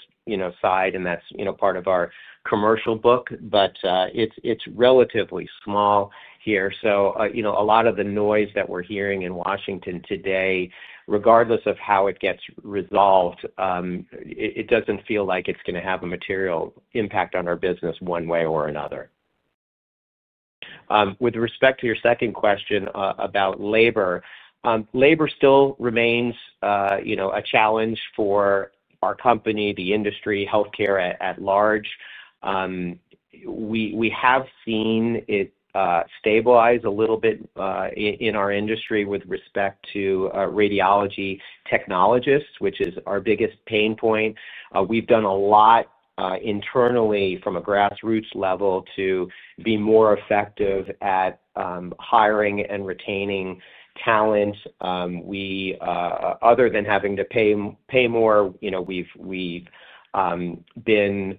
side, and that's part of our commercial book, but it's relatively small here. A lot of the noise that we're hearing in Washington today, regardless of how it gets resolved, it doesn't feel like it's going to have a material impact on our business one way or another. With respect to your second question about labor, labor still remains a challenge for our company, the industry, healthcare at large. We have seen it stabilize a little bit in our industry with respect to radiology technologists, which is our biggest pain point. We've done a lot internally from a grassroots level to be more effective at hiring and retaining talent. Other than having to pay more, we've been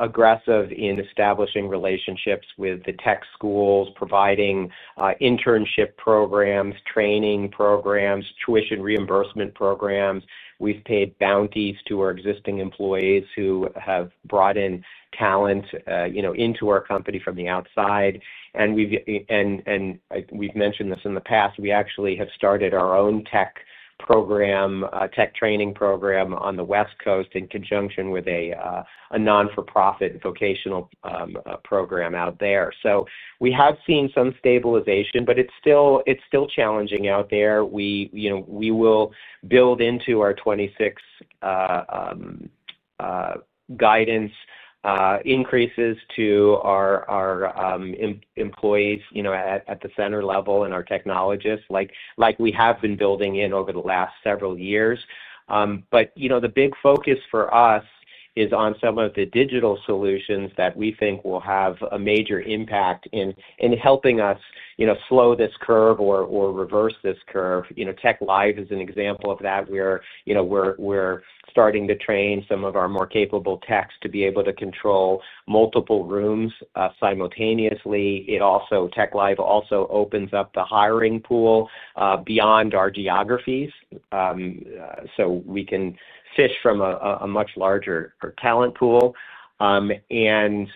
aggressive in establishing relationships with the tech schools, providing internship programs, training programs, tuition reimbursement programs. We've paid bounties to our existing employees who have brought in talent into our company from the outside. We have mentioned this in the past. We actually have started our own tech training program on the West Coast in conjunction with a not-for-profit vocational program out there. We have seen some stabilization, but it's still challenging out there. We will build into our 2026 guidance increases to our employees at the center level and our technologists like we have been building in over the last several years. The big focus for us is on some of the digital solutions that we think will have a major impact in helping us slow this curve or reverse this curve. TechLive is an example of that. We're starting to train some of our more capable techs to be able to control multiple rooms simultaneously. TechLive also opens up the hiring pool beyond our geographies so we can fish from a much larger talent pool. The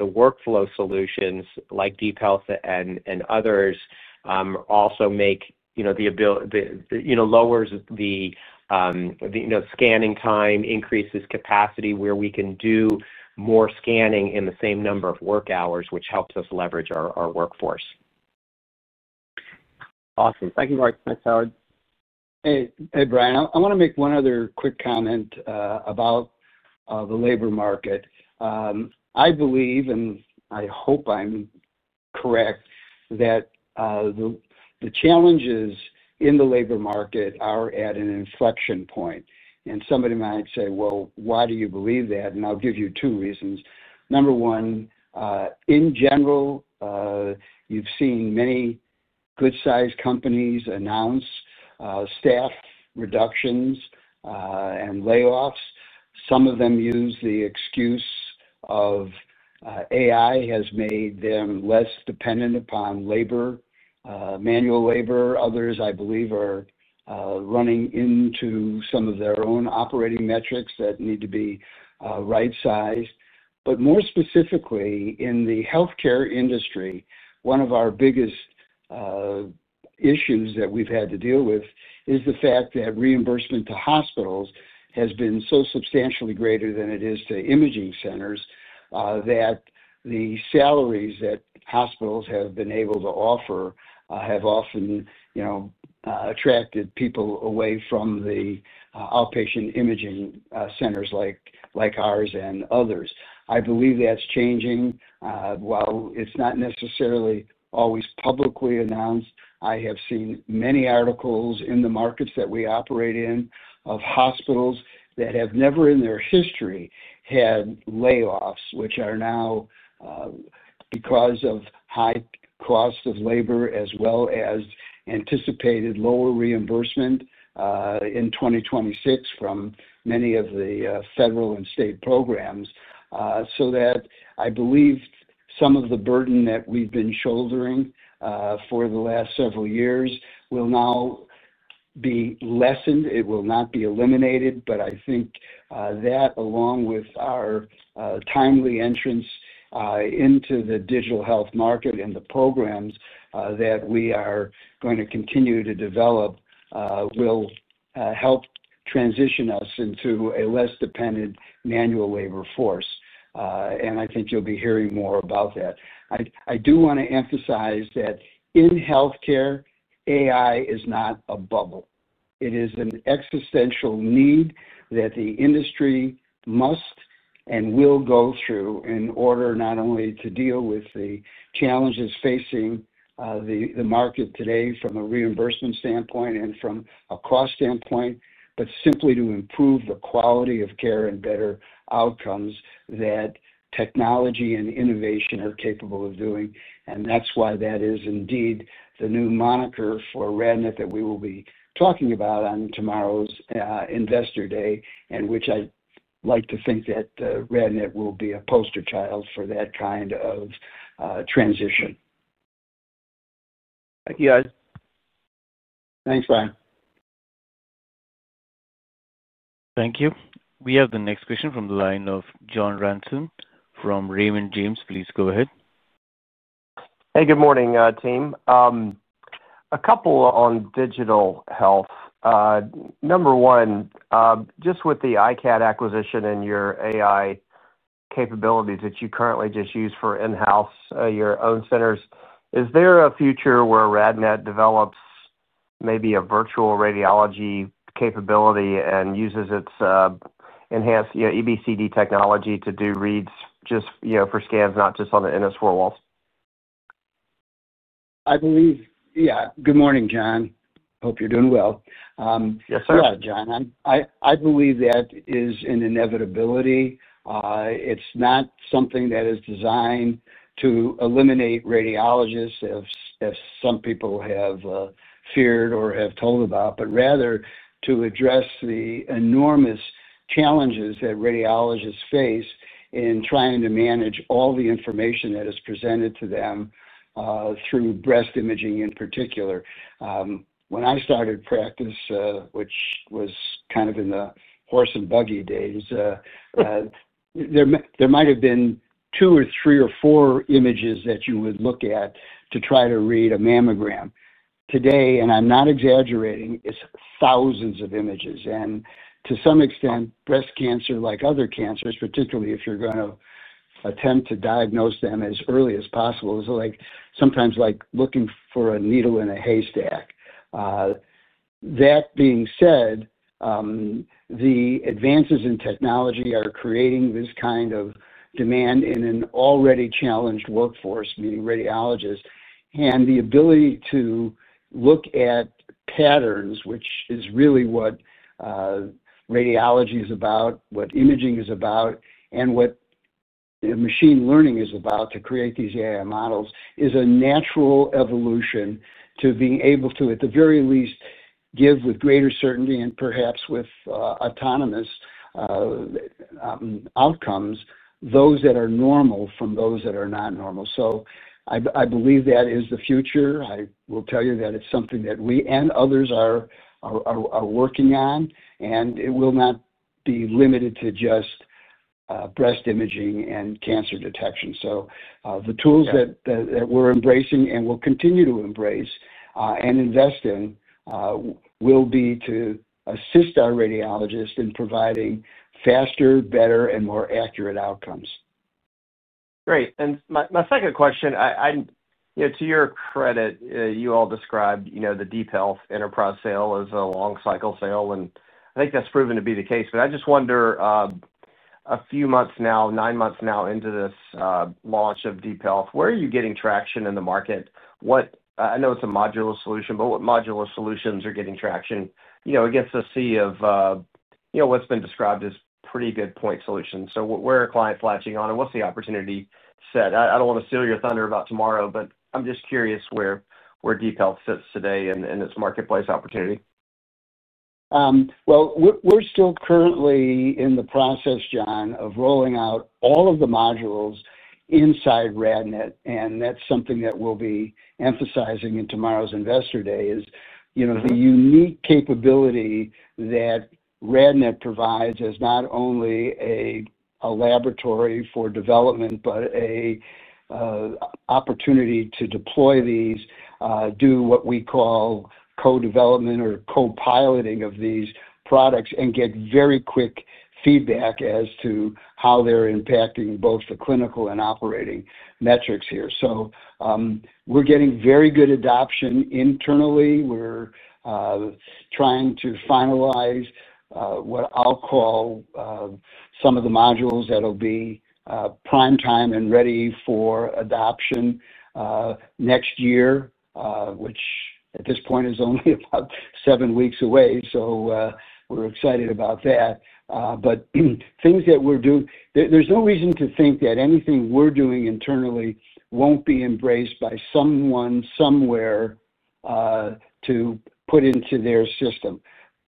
workflow solutions like DeepHealth and others also make the lowers the scanning time, increases capacity where we can do more scanning in the same number of work hours, which helps us leverage our workforce.
Awesome. Thank you, Mark. Thanks, Howard.
Hey, Brian. I want to make one other quick comment about the labor market. I believe, and I hope I'm correct, that the challenges in the labor market are at an inflection point. Somebody might say, "Well, why do you believe that?" I'll give you two reasons. Number one, in general, you've seen many good-sized companies announce staff reductions and layoffs. Some of them use the excuse of AI has made them less dependent upon manual labor. Others, I believe, are running into some of their own operating metrics that need to be right-sized. More specifically, in the healthcare industry, one of our biggest issues that we've had to deal with is the fact that reimbursement to hospitals has been so substantially greater than it is to imaging centers that the salaries that hospitals have been able to offer have often attracted people away from the outpatient imaging centers like ours and others. I believe that's changing. While it's not necessarily always publicly announced, I have seen many articles in the markets that we operate in of hospitals that have never in their history had layoffs, which are now because of high cost of labor as well as anticipated lower reimbursement in 2026 from many of the federal and state programs. I believe some of the burden that we've been shouldering for the last several years will now be lessened. It will not be eliminated, but I think that along with our timely entrance into the digital health market and the programs that we are going to continue to develop will help transition us into a less dependent manual labor force. I think you'll be hearing more about that. I do want to emphasize that in healthcare, AI is not a bubble. It is an existential need that the industry must and will go through in order not only to deal with the challenges facing the market today from a reimbursement standpoint and from a cost standpoint, but simply to improve the quality of care and better outcomes that technology and innovation are capable of doing. That is indeed the new moniker for RadNet that we will be talking about on tomorrow's Investor Day, in which I'd like to think that RadNet will be a poster child for that kind of transition.
Thank you, guys.
Thanks, Brian.
Thank you. We have the next question from the line of John Ransom from Raymond James. Please go ahead.
Hey, good morning, team. A couple on Digital Health. Number one, just with the iCAD acquisition and your AI capabilities that you currently just use for in-house your own centers, is there a future where RadNet develops maybe a virtual radiology capability and uses its enhanced EBCD technology to do reads just for scans, not just on the NS4 walls?
I believe, yeah. Good morning, John. Hope you're doing well.
Yes, sir.
Yeah, John. I believe that is an inevitability. It's not something that is designed to eliminate radiologists as some people have feared or have told about, but rather to address the enormous challenges that radiologists face in trying to manage all the information that is presented to them through breast imaging in particular. When I started practice, which was kind of in the horse and buggy days, there might have been two or three or four images that you would look at to try to read a mammogram. Today, and I'm not exaggerating, it's thousands of images. To some extent, breast cancer, like other cancers, particularly if you're going to attempt to diagnose them as early as possible, is sometimes like looking for a needle in a haystack. That being said, the advances in technology are creating this kind of demand in an already challenged workforce, meaning radiologists, and the ability to look at patterns, which is really what radiology is about, what imaging is about, and what machine learning is about to create these AI models, is a natural evolution to being able to, at the very least, give with greater certainty and perhaps with autonomous outcomes those that are normal from those that are not normal. I believe that is the future. I will tell you that it's something that we and others are working on, and it will not be limited to just breast imaging and cancer detection. The tools that we're embracing and will continue to embrace and invest in will be to assist our radiologists in providing faster, better, and more accurate outcomes.
Great. My second question, to your credit, you all described the DeepHealth Enterprise sale as a long-cycle sale, and I think that's proven to be the case. I just wonder, a few months now, nine months now into this launch of DeepHealth, where are you getting traction in the market? I know it's a modular solution, but what modular solutions are getting traction against the sea of what's been described as pretty good point solutions? Where are clients latching on, and what's the opportunity set? I don't want to steal your thunder about tomorrow, but I'm just curious where DeepHealth sits today and its marketplace opportunity.
We're still currently in the process, John, of rolling out all of the modules inside RadNet. That is something that we will be emphasizing in tomorrow's Investor Day: the unique capability that RadNet provides as not only a laboratory for development, but an opportunity to deploy these, do what we call co-development or co-piloting of these products, and get very quick feedback as to how they are impacting both the clinical and operating metrics here. We are getting very good adoption internally. We are trying to finalize what I will call some of the modules that will be prime time and ready for adoption next year, which at this point is only about seven weeks away. We are excited about that. Things that we are doing, there is no reason to think that anything we are doing internally will not be embraced by someone somewhere to put into their system.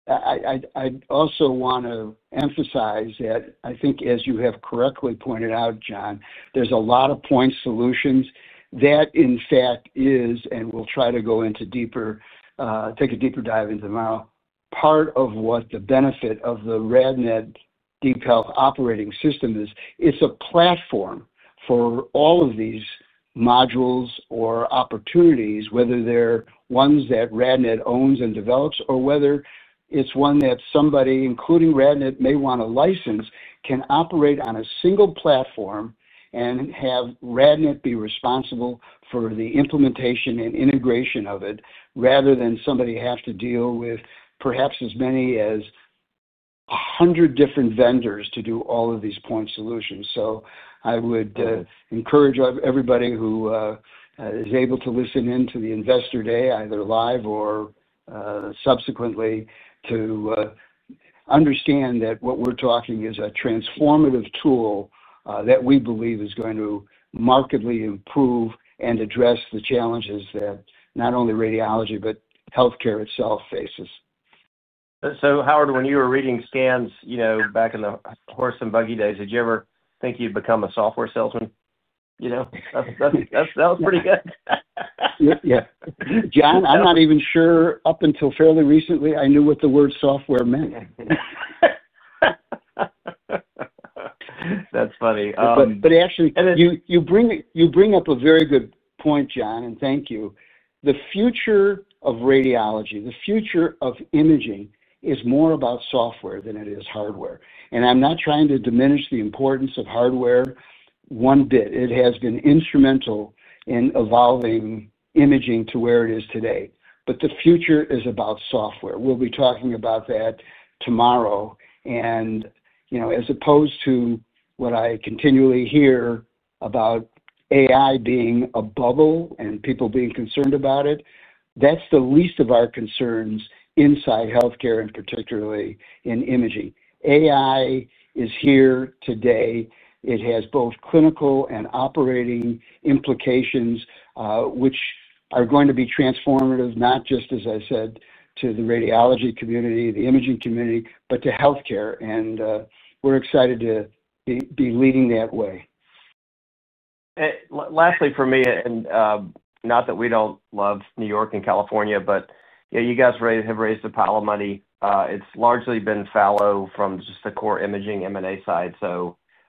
I also want to emphasize that I think, as you have correctly pointed out, John, there is a lot of point solutions. That, in fact, is, and we'll try to go into deeper, take a deeper dive into tomorrow, part of what the benefit of the RadNet DeepHealth operating system is. It's a platform for all of these modules or opportunities, whether they're ones that RadNet owns and develops, or whether it's one that somebody, including RadNet, may want to license, can operate on a single platform and have RadNet be responsible for the implementation and integration of it, rather than somebody have to deal with perhaps as many as 100 different vendors to do all of these point solutions. I would encourage everybody who is able to listen in to the Investor Day, either live or subsequently, to understand that what we're talking is a transformative tool that we believe is going to markedly improve and address the challenges that not only radiology, but healthcare itself faces.
Howard, when you were reading scans back in the horse and buggy days, did you ever think you'd become a software salesman? That was pretty good.
Yeah. John, I'm not even sure up until fairly recently I knew what the word software meant.
That's funny.
Actually, you bring up a very good point, John, and thank you. The future of radiology, the future of imaging is more about software than it is hardware. I'm not trying to diminish the importance of hardware one bit. It has been instrumental in evolving imaging to where it is today. The future is about software. We'll be talking about that tomorrow. As opposed to what I continually hear about AI being a bubble and people being concerned about it, that's the least of our concerns inside healthcare, and particularly in imaging. AI is here today. It has both clinical and operating implications, which are going to be transformative, not just, as I said, to the radiology community, the imaging community, but to healthcare. We are excited to be leading that way.
Lastly, for me, and not that we do not love New York and California, but you guys have raised a pile of money. It has largely been fallow from just the core imaging M&A side.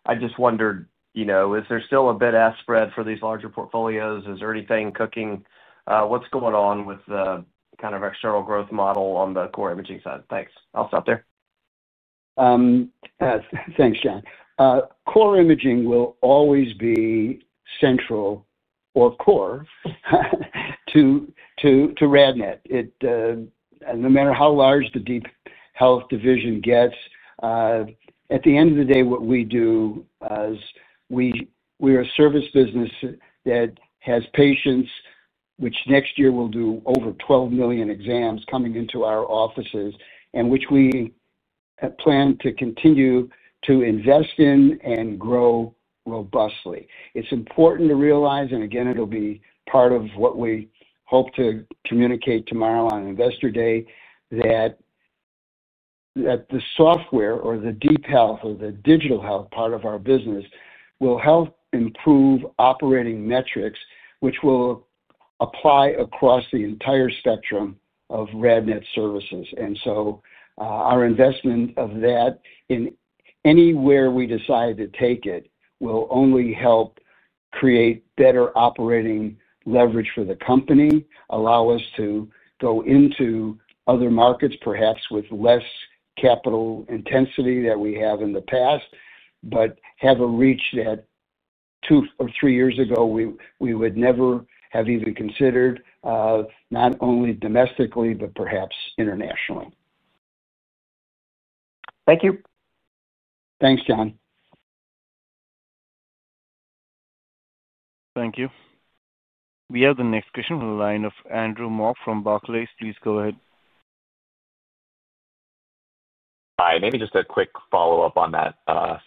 I just wondered, is there still a bit of spread for these larger portfolios? Is there anything cooking? What is going on with the kind of external growth model on the Core Imaging side? Thanks. I will stop there.
Thanks, John. Core Imaging will always be central or core to RadNet. No matter how large the DeepHealth division gets, at the end of the day, what we do is we are a service business that has patients, which next year will do over 12 million exams coming into our offices, and which we plan to continue to invest in and grow robustly. It's important to realize, and again, it'll be part of what we hope to communicate tomorrow on Investor Day, that the software or the DeepHealth or the Digital Health part of our business will help improve operating metrics, which will apply across the entire spectrum of RadNet services. Our investment of that in anywhere we decide to take it will only help create better operating leverage for the company, allow us to go into other markets, perhaps with less capital intensity than we have in the past, but have a reach that two or three years ago we would never have even considered, not only domestically, but perhaps internationally.
Thank you.
Thanks, John.
Thank you. We have the next question from the line of Andrew Mok from Barclays. Please go ahead.
Hi. Maybe just a quick follow-up on that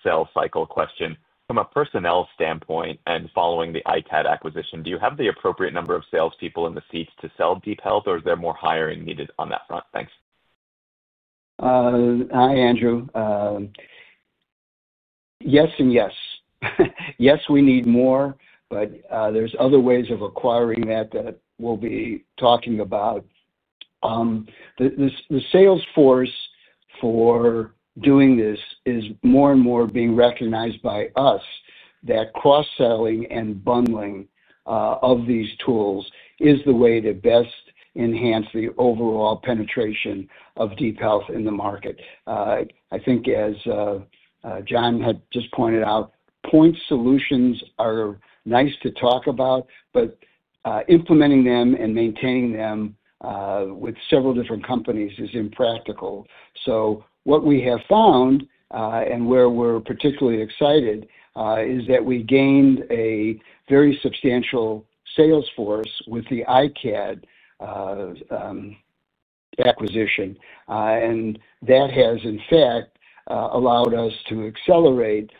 sales cycle question. From a personnel standpoint and following the iCAD acquisition, do you have the appropriate number of salespeople in the seats to sell DeepHealth, or is there more hiring needed on that front? Thanks.
Hi, Andrew. Yes and yes. Yes, we need more, but there's other ways of acquiring that that we'll be talking about. The salesforce for doing this is more and more being recognized by us that cross-selling and bundling of these tools is the way to best enhance the overall penetration of DeepHealth in the market. I think, as John had just pointed out, point solutions are nice to talk about, but implementing them and maintaining them with several different companies is impractical. What we have found, and where we're particularly excited, is that we gained a very substantial salesforce with the iCAD acquisition. That has, in fact, allowed us to accelerate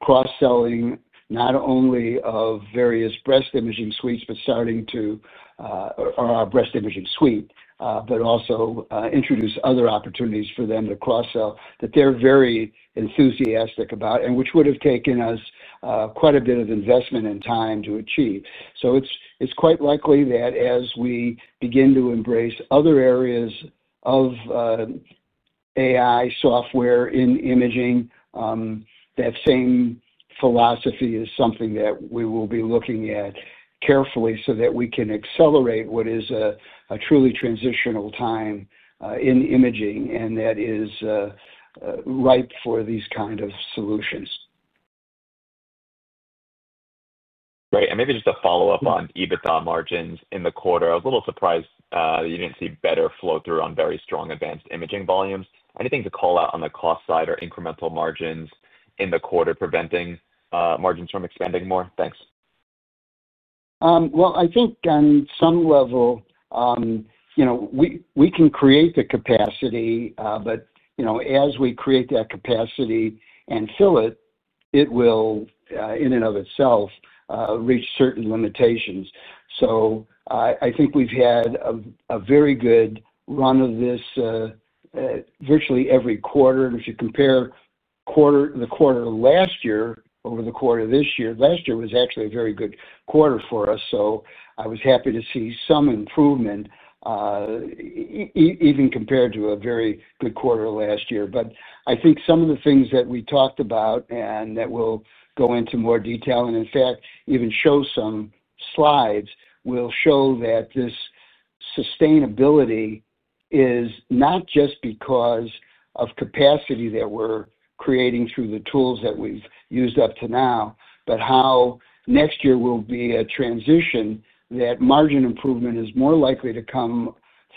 cross-selling not only of various breast imaging suites, starting to our breast imaging suite, but also introduce other opportunities for them to cross-sell that they're very enthusiastic about, and which would have taken us quite a bit of investment and time to achieve. It is quite likely that as we begin to embrace other areas of AI software in imaging, that same philosophy is something that we will be looking at carefully so that we can accelerate what is a truly transitional time in imaging, and that is ripe for these kinds of solutions.
Great. Maybe just a follow-up on EBITDA margins in the quarter. I was a little surprised that you did not see better flow-through on very strong Advanced Imaging volumes. Anything to call out on the cost side or incremental margins in the quarter preventing margins from expanding more? Thanks.
I think on some level, we can create the capacity, but as we create that capacity and fill it, it will, in and of itself, reach certain limitations. I think we have had a very good run of this virtually every quarter. If you compare the quarter last year over the quarter this year, last year was actually a very good quarter for us. I was happy to see some improvement, even compared to a very good quarter last year. I think some of the things that we talked about and that we'll go into more detail, and in fact, even show some slides, will show that this sustainability is not just because of capacity that we're creating through the tools that we've used up to now, but how next year will be a transition that margin improvement is more likely to come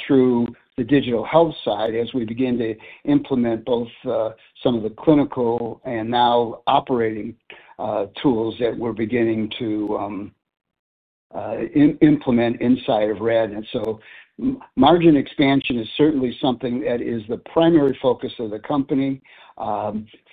through the Digital Health side as we begin to implement both some of the clinical and now operating tools that we're beginning to implement inside of RadNet. Margin expansion is certainly something that is the primary focus of the company,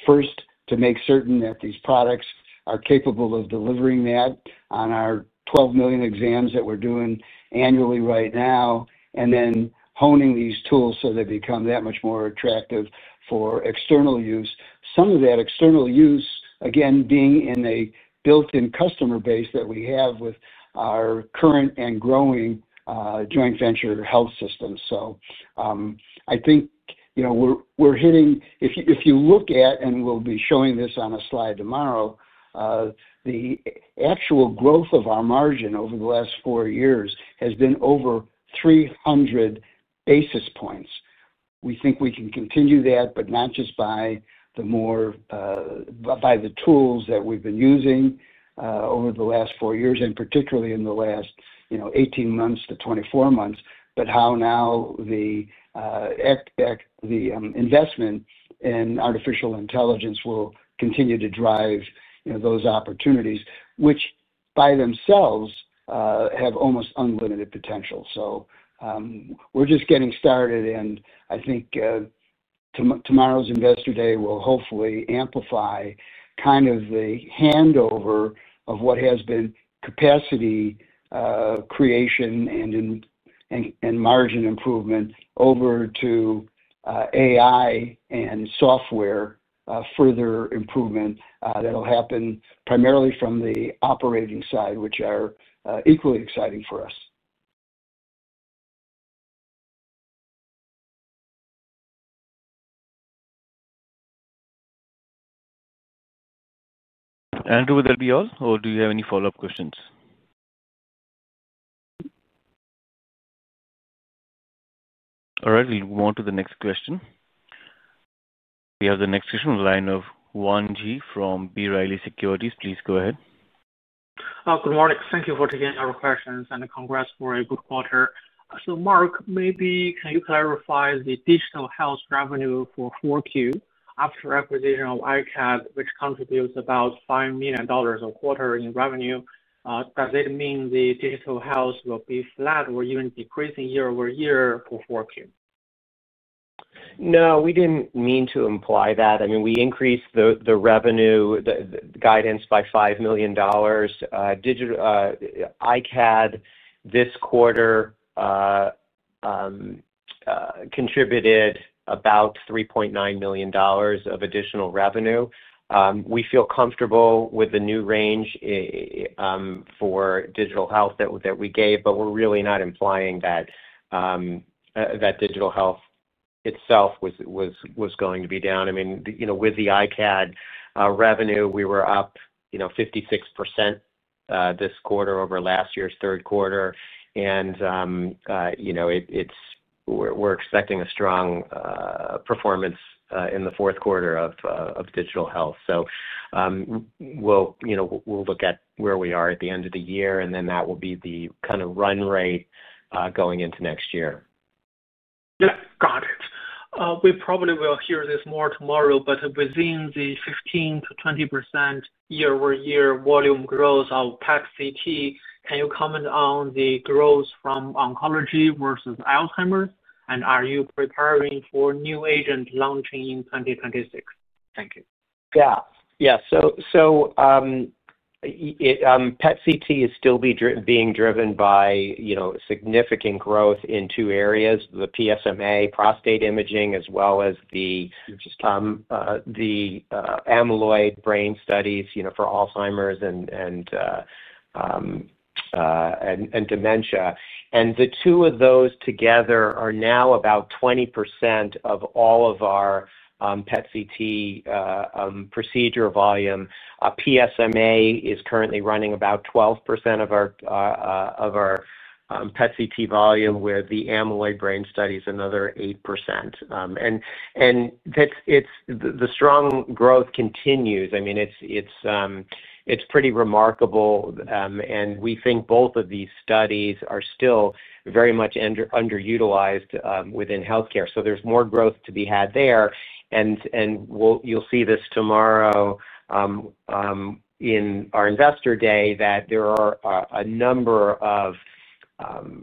first to make certain that these products are capable of delivering that on our 12 million exams that we're doing annually right now, and then honing these tools so they become that much more attractive for external use. Some of that external use, again, being in a built-in customer base that we have with our current and growing joint venture health system. I think we're hitting, if you look at, and we'll be showing this on a slide tomorrow, the actual growth of our margin over the last four years has been over 300 basis points. We think we can continue that, but not just by the tools that we've been using over the last four years, and particularly in the last 18 months to 24 months, but how now the investment in artificial intelligence will continue to drive those opportunities, which by themselves have almost unlimited potential. We're just getting started, and I think tomorrow's Investor Day will hopefully amplify kind of the handover of what has been capacity creation and margin improvement over to AI and software further improvement that will happen primarily from the operating side, which are equally exciting for us.
Andrew, would that be all, or do you have any follow-up questions? All right. We'll move on to the next question. We have the next question from the line of Yuan Zhi from B. Riley Securities. Please go ahead. Good morning.
Thank you for taking our questions, and congrats for a good quarter. So Mark, maybe can you clarify the Digital Health revenue for 4Q after acquisition of iCAD, which contributes about $5 million a quarter in revenue? Does it mean the Digital Health will be flat or even decreasing year-over-year for 4Q?
No, we didn't mean to imply that. I mean, we increased the revenue guidance by $5 million. iCAD this quarter contributed about $3.9 million of additional revenue. We feel comfortable with the new range for Digital Health that we gave, but we're really not implying that Digital Health itself was going to be down. I mean, with the iCAD revenue, we were up 56% this quarter over last year's third quarter. And we're expecting a strong performance in the fourth quarter of Digital Health. We will look at where we are at the end of the year, and then that will be the kind of run rate going into next year.
Got it. We probably will hear this more tomorrow, but within the 15%-20% year-over-year volume growth of PET/CT, can you comment on the growth from oncology versus Alzheimer's? And are you preparing for new agent launching in 2026? Thank you.
Yeah. Yeah. PET/CT is still being driven by significant growth in two areas, the PSMA prostate imaging, as well as the amyloid brain studies for Alzheimer's and dementia. The two of those together are now about 20% of all of our PET/CT procedure volume. PSMA is currently running about 12% of our PET/CT volume, where the amyloid brain study is another 8%. The strong growth continues. I mean, it's pretty remarkable, and we think both of these studies are still very much underutilized within healthcare. There is more growth to be had there. You'll see this tomorrow in our Investor Day that there are a number of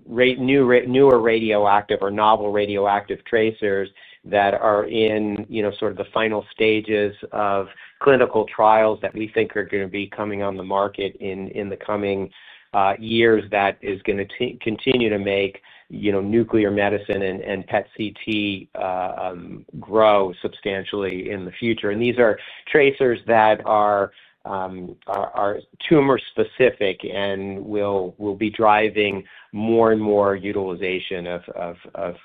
newer radioactive or novel radioactive tracers that are in sort of the final stages of clinical trials that we think are going to be coming on the market in the coming years that is going to continue to make nuclear medicine and PET/CT grow substantially in the future. These are tracers that are tumor-specific and will be driving more and more utilization of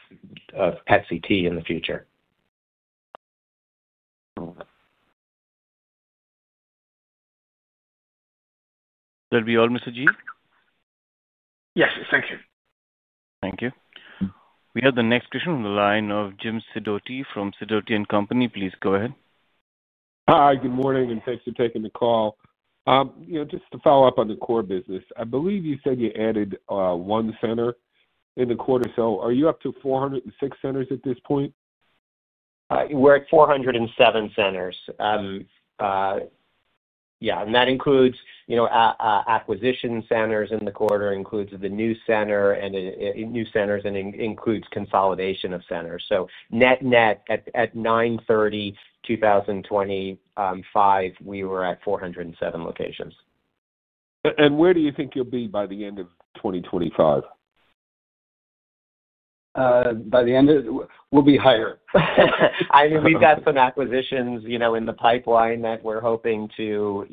PET/CT in the future.
That'll be all, Mr. Zhi?
Yes. Thank you.
Thank you. We have the next question from the line of Jim Sidoti from Sidoti & Company. Please go ahead.
Hi. Good morning, and thanks for taking the call. Just to follow up on the core business, I believe you said you added one center in the quarter. Are you up to 406 centers at this point?
We're at 407 centers. Yeah. That includes acquisition centers in the quarter, includes the new center, and new centers, and includes consolidation of centers. Net-net, at 09/30/2025, we were at 407 locations.
Where do you think you'll be by the end of 2025?
By the end of, we'll be higher.
I mean, we've got some acquisitions in the pipeline that we're hoping to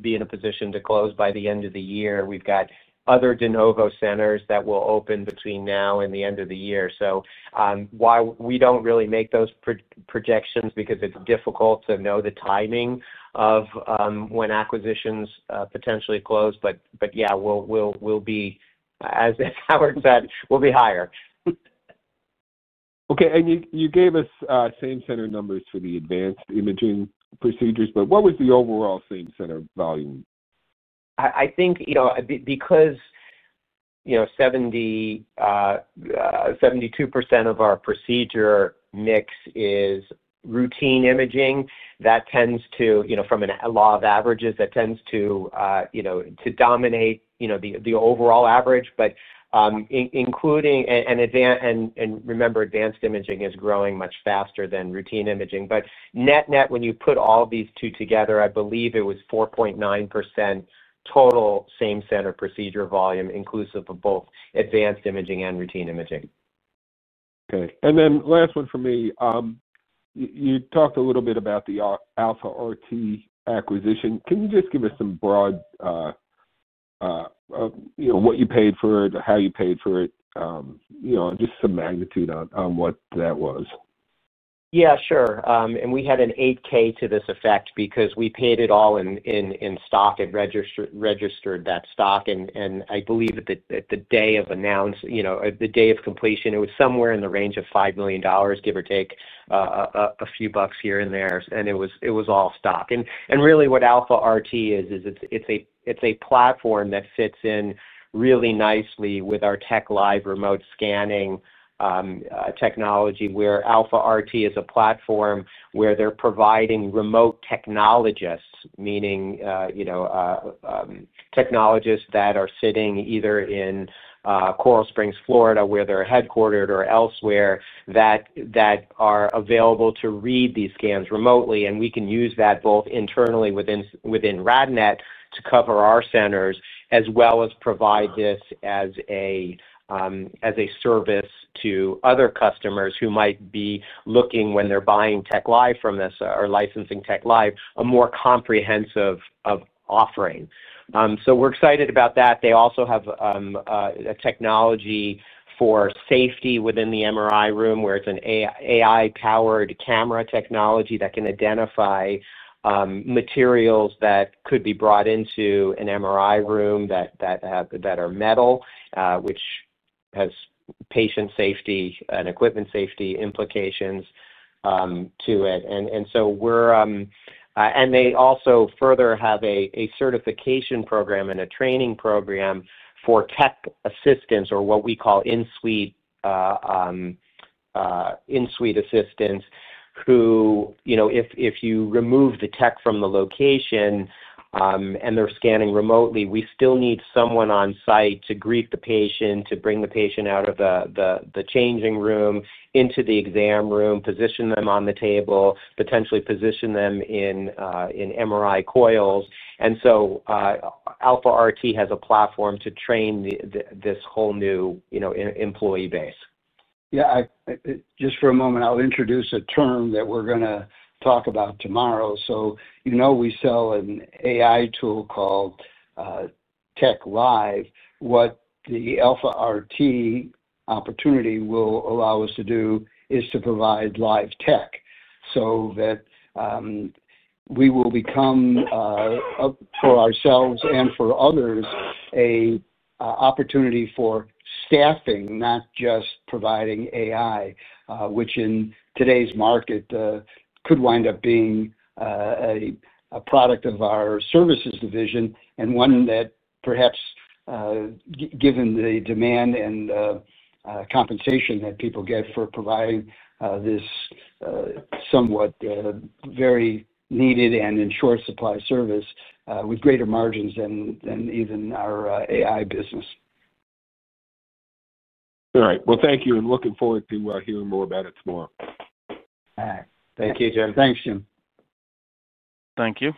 be in a position to close by the end of the year. We've got other de novo centers that will open between now and the end of the year. We don't really make those projections because it's difficult to know the timing of when acquisitions potentially close. Yeah, we'll be, as Howard said, we'll be higher.
Okay. You gave us same center numbers for the Advanced Imaging procedures, but what was the overall same center volume?
I think because 72% of our procedure mix is Routine Imaging, that tends to, from a law of averages, that tends to dominate the overall average. Remember, Advanced Imaging is growing much faster than Routine Imaging. Net-net, when you put all these two together, I believe it was 4.9% total same center procedure volume, inclusive of both Advanced Imaging and Routine Imaging.
Okay. Last one for me. You talked a little bit about the Alpha RT acquisition. Can you just give us some broad what you paid for it, how you paid for it, just some magnitude on what that was?
Yeah, sure. We had an 8-K to this effect because we paid it all in stock and registered that stock. I believe that the day of announcement, the day of completion, it was somewhere in the range of $5 million, give or take a few bucks here and there. It was all stock. Really what Alpha RT is, is it's a platform that fits in really nicely with our TechLive remote scanning technology, where Alpha RT is a platform where they're providing remote technologists, meaning technologists that are sitting either in Coral Springs, Florida, where they're headquartered, or elsewhere that are available to read these scans remotely. We can use that both internally within RadNet to cover our centers as well as provide this as a service to other customers who might be looking when they're buying TechLive from us or licensing TechLive, a more comprehensive offering. We're excited about that. They also have a technology for safety within the MRI room, where it's an AI-powered camera technology that can identify materials that could be brought into an MRI room that are metal, which has patient safety and equipment safety implications to it. They also further have a certification program and a training program for tech assistants, or what we call in-suite assistants, who if you remove the tech from the location and they're scanning remotely, we still need someone on site to greet the patient, to bring the patient out of the changing room, into the exam room, position them on the table, potentially position them in MRI coils. Alpha RT has a platform to train this whole new employee base.
Yeah. Just for a moment, I'll introduce a term that we're going to talk about tomorrow. We sell an AI tool called TechLive. What the Alpha RT opportunity will allow us to do is to provide live tech so that we will become, for ourselves and for others, an opportunity for staffing, not just providing AI, which in today's market could wind up being a product of our services division and one that perhaps, given the demand and compensation that people get for providing this somewhat very needed and in short supply service, with greater margins than even our AI business.
Thank you. I am looking forward to hearing more about it tomorrow.
Thank you, Jim.
Thanks, Jim.
Thank you.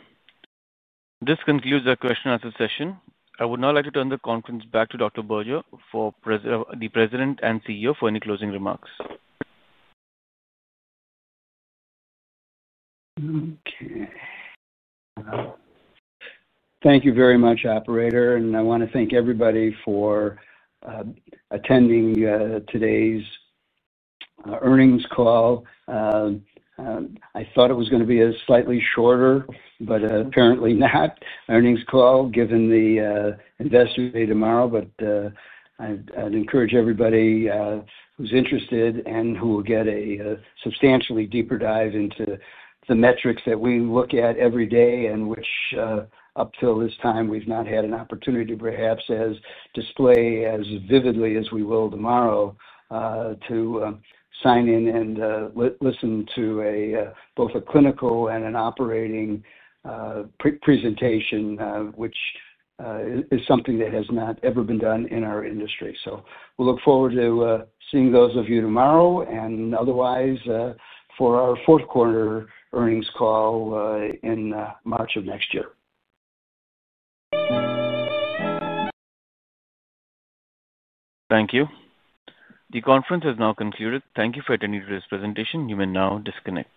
This concludes our question and answer session. I would now like to turn the conference back to Dr. Berger, the President and CEO, for any closing remarks.
Thank you very much, operator.
I want to thank everybody for attending today's earnings call. I thought it was going to be a slightly shorter, but apparently not, earnings call given the Investor Day tomorrow. I'd encourage everybody who's interested and who will get a substantially deeper dive into the metrics that we look at every day and which, up till this time, we've not had an opportunity to perhaps display as vividly as we will tomorrow to sign in and listen to both a clinical and an operating presentation, which is something that has not ever been done in our industry. We look forward to seeing those of you tomorrow and otherwise for our fourth quarter earnings call in March of next year. Thank you. The conference has now concluded. Thank you for attending today's presentation. You may now disconnect.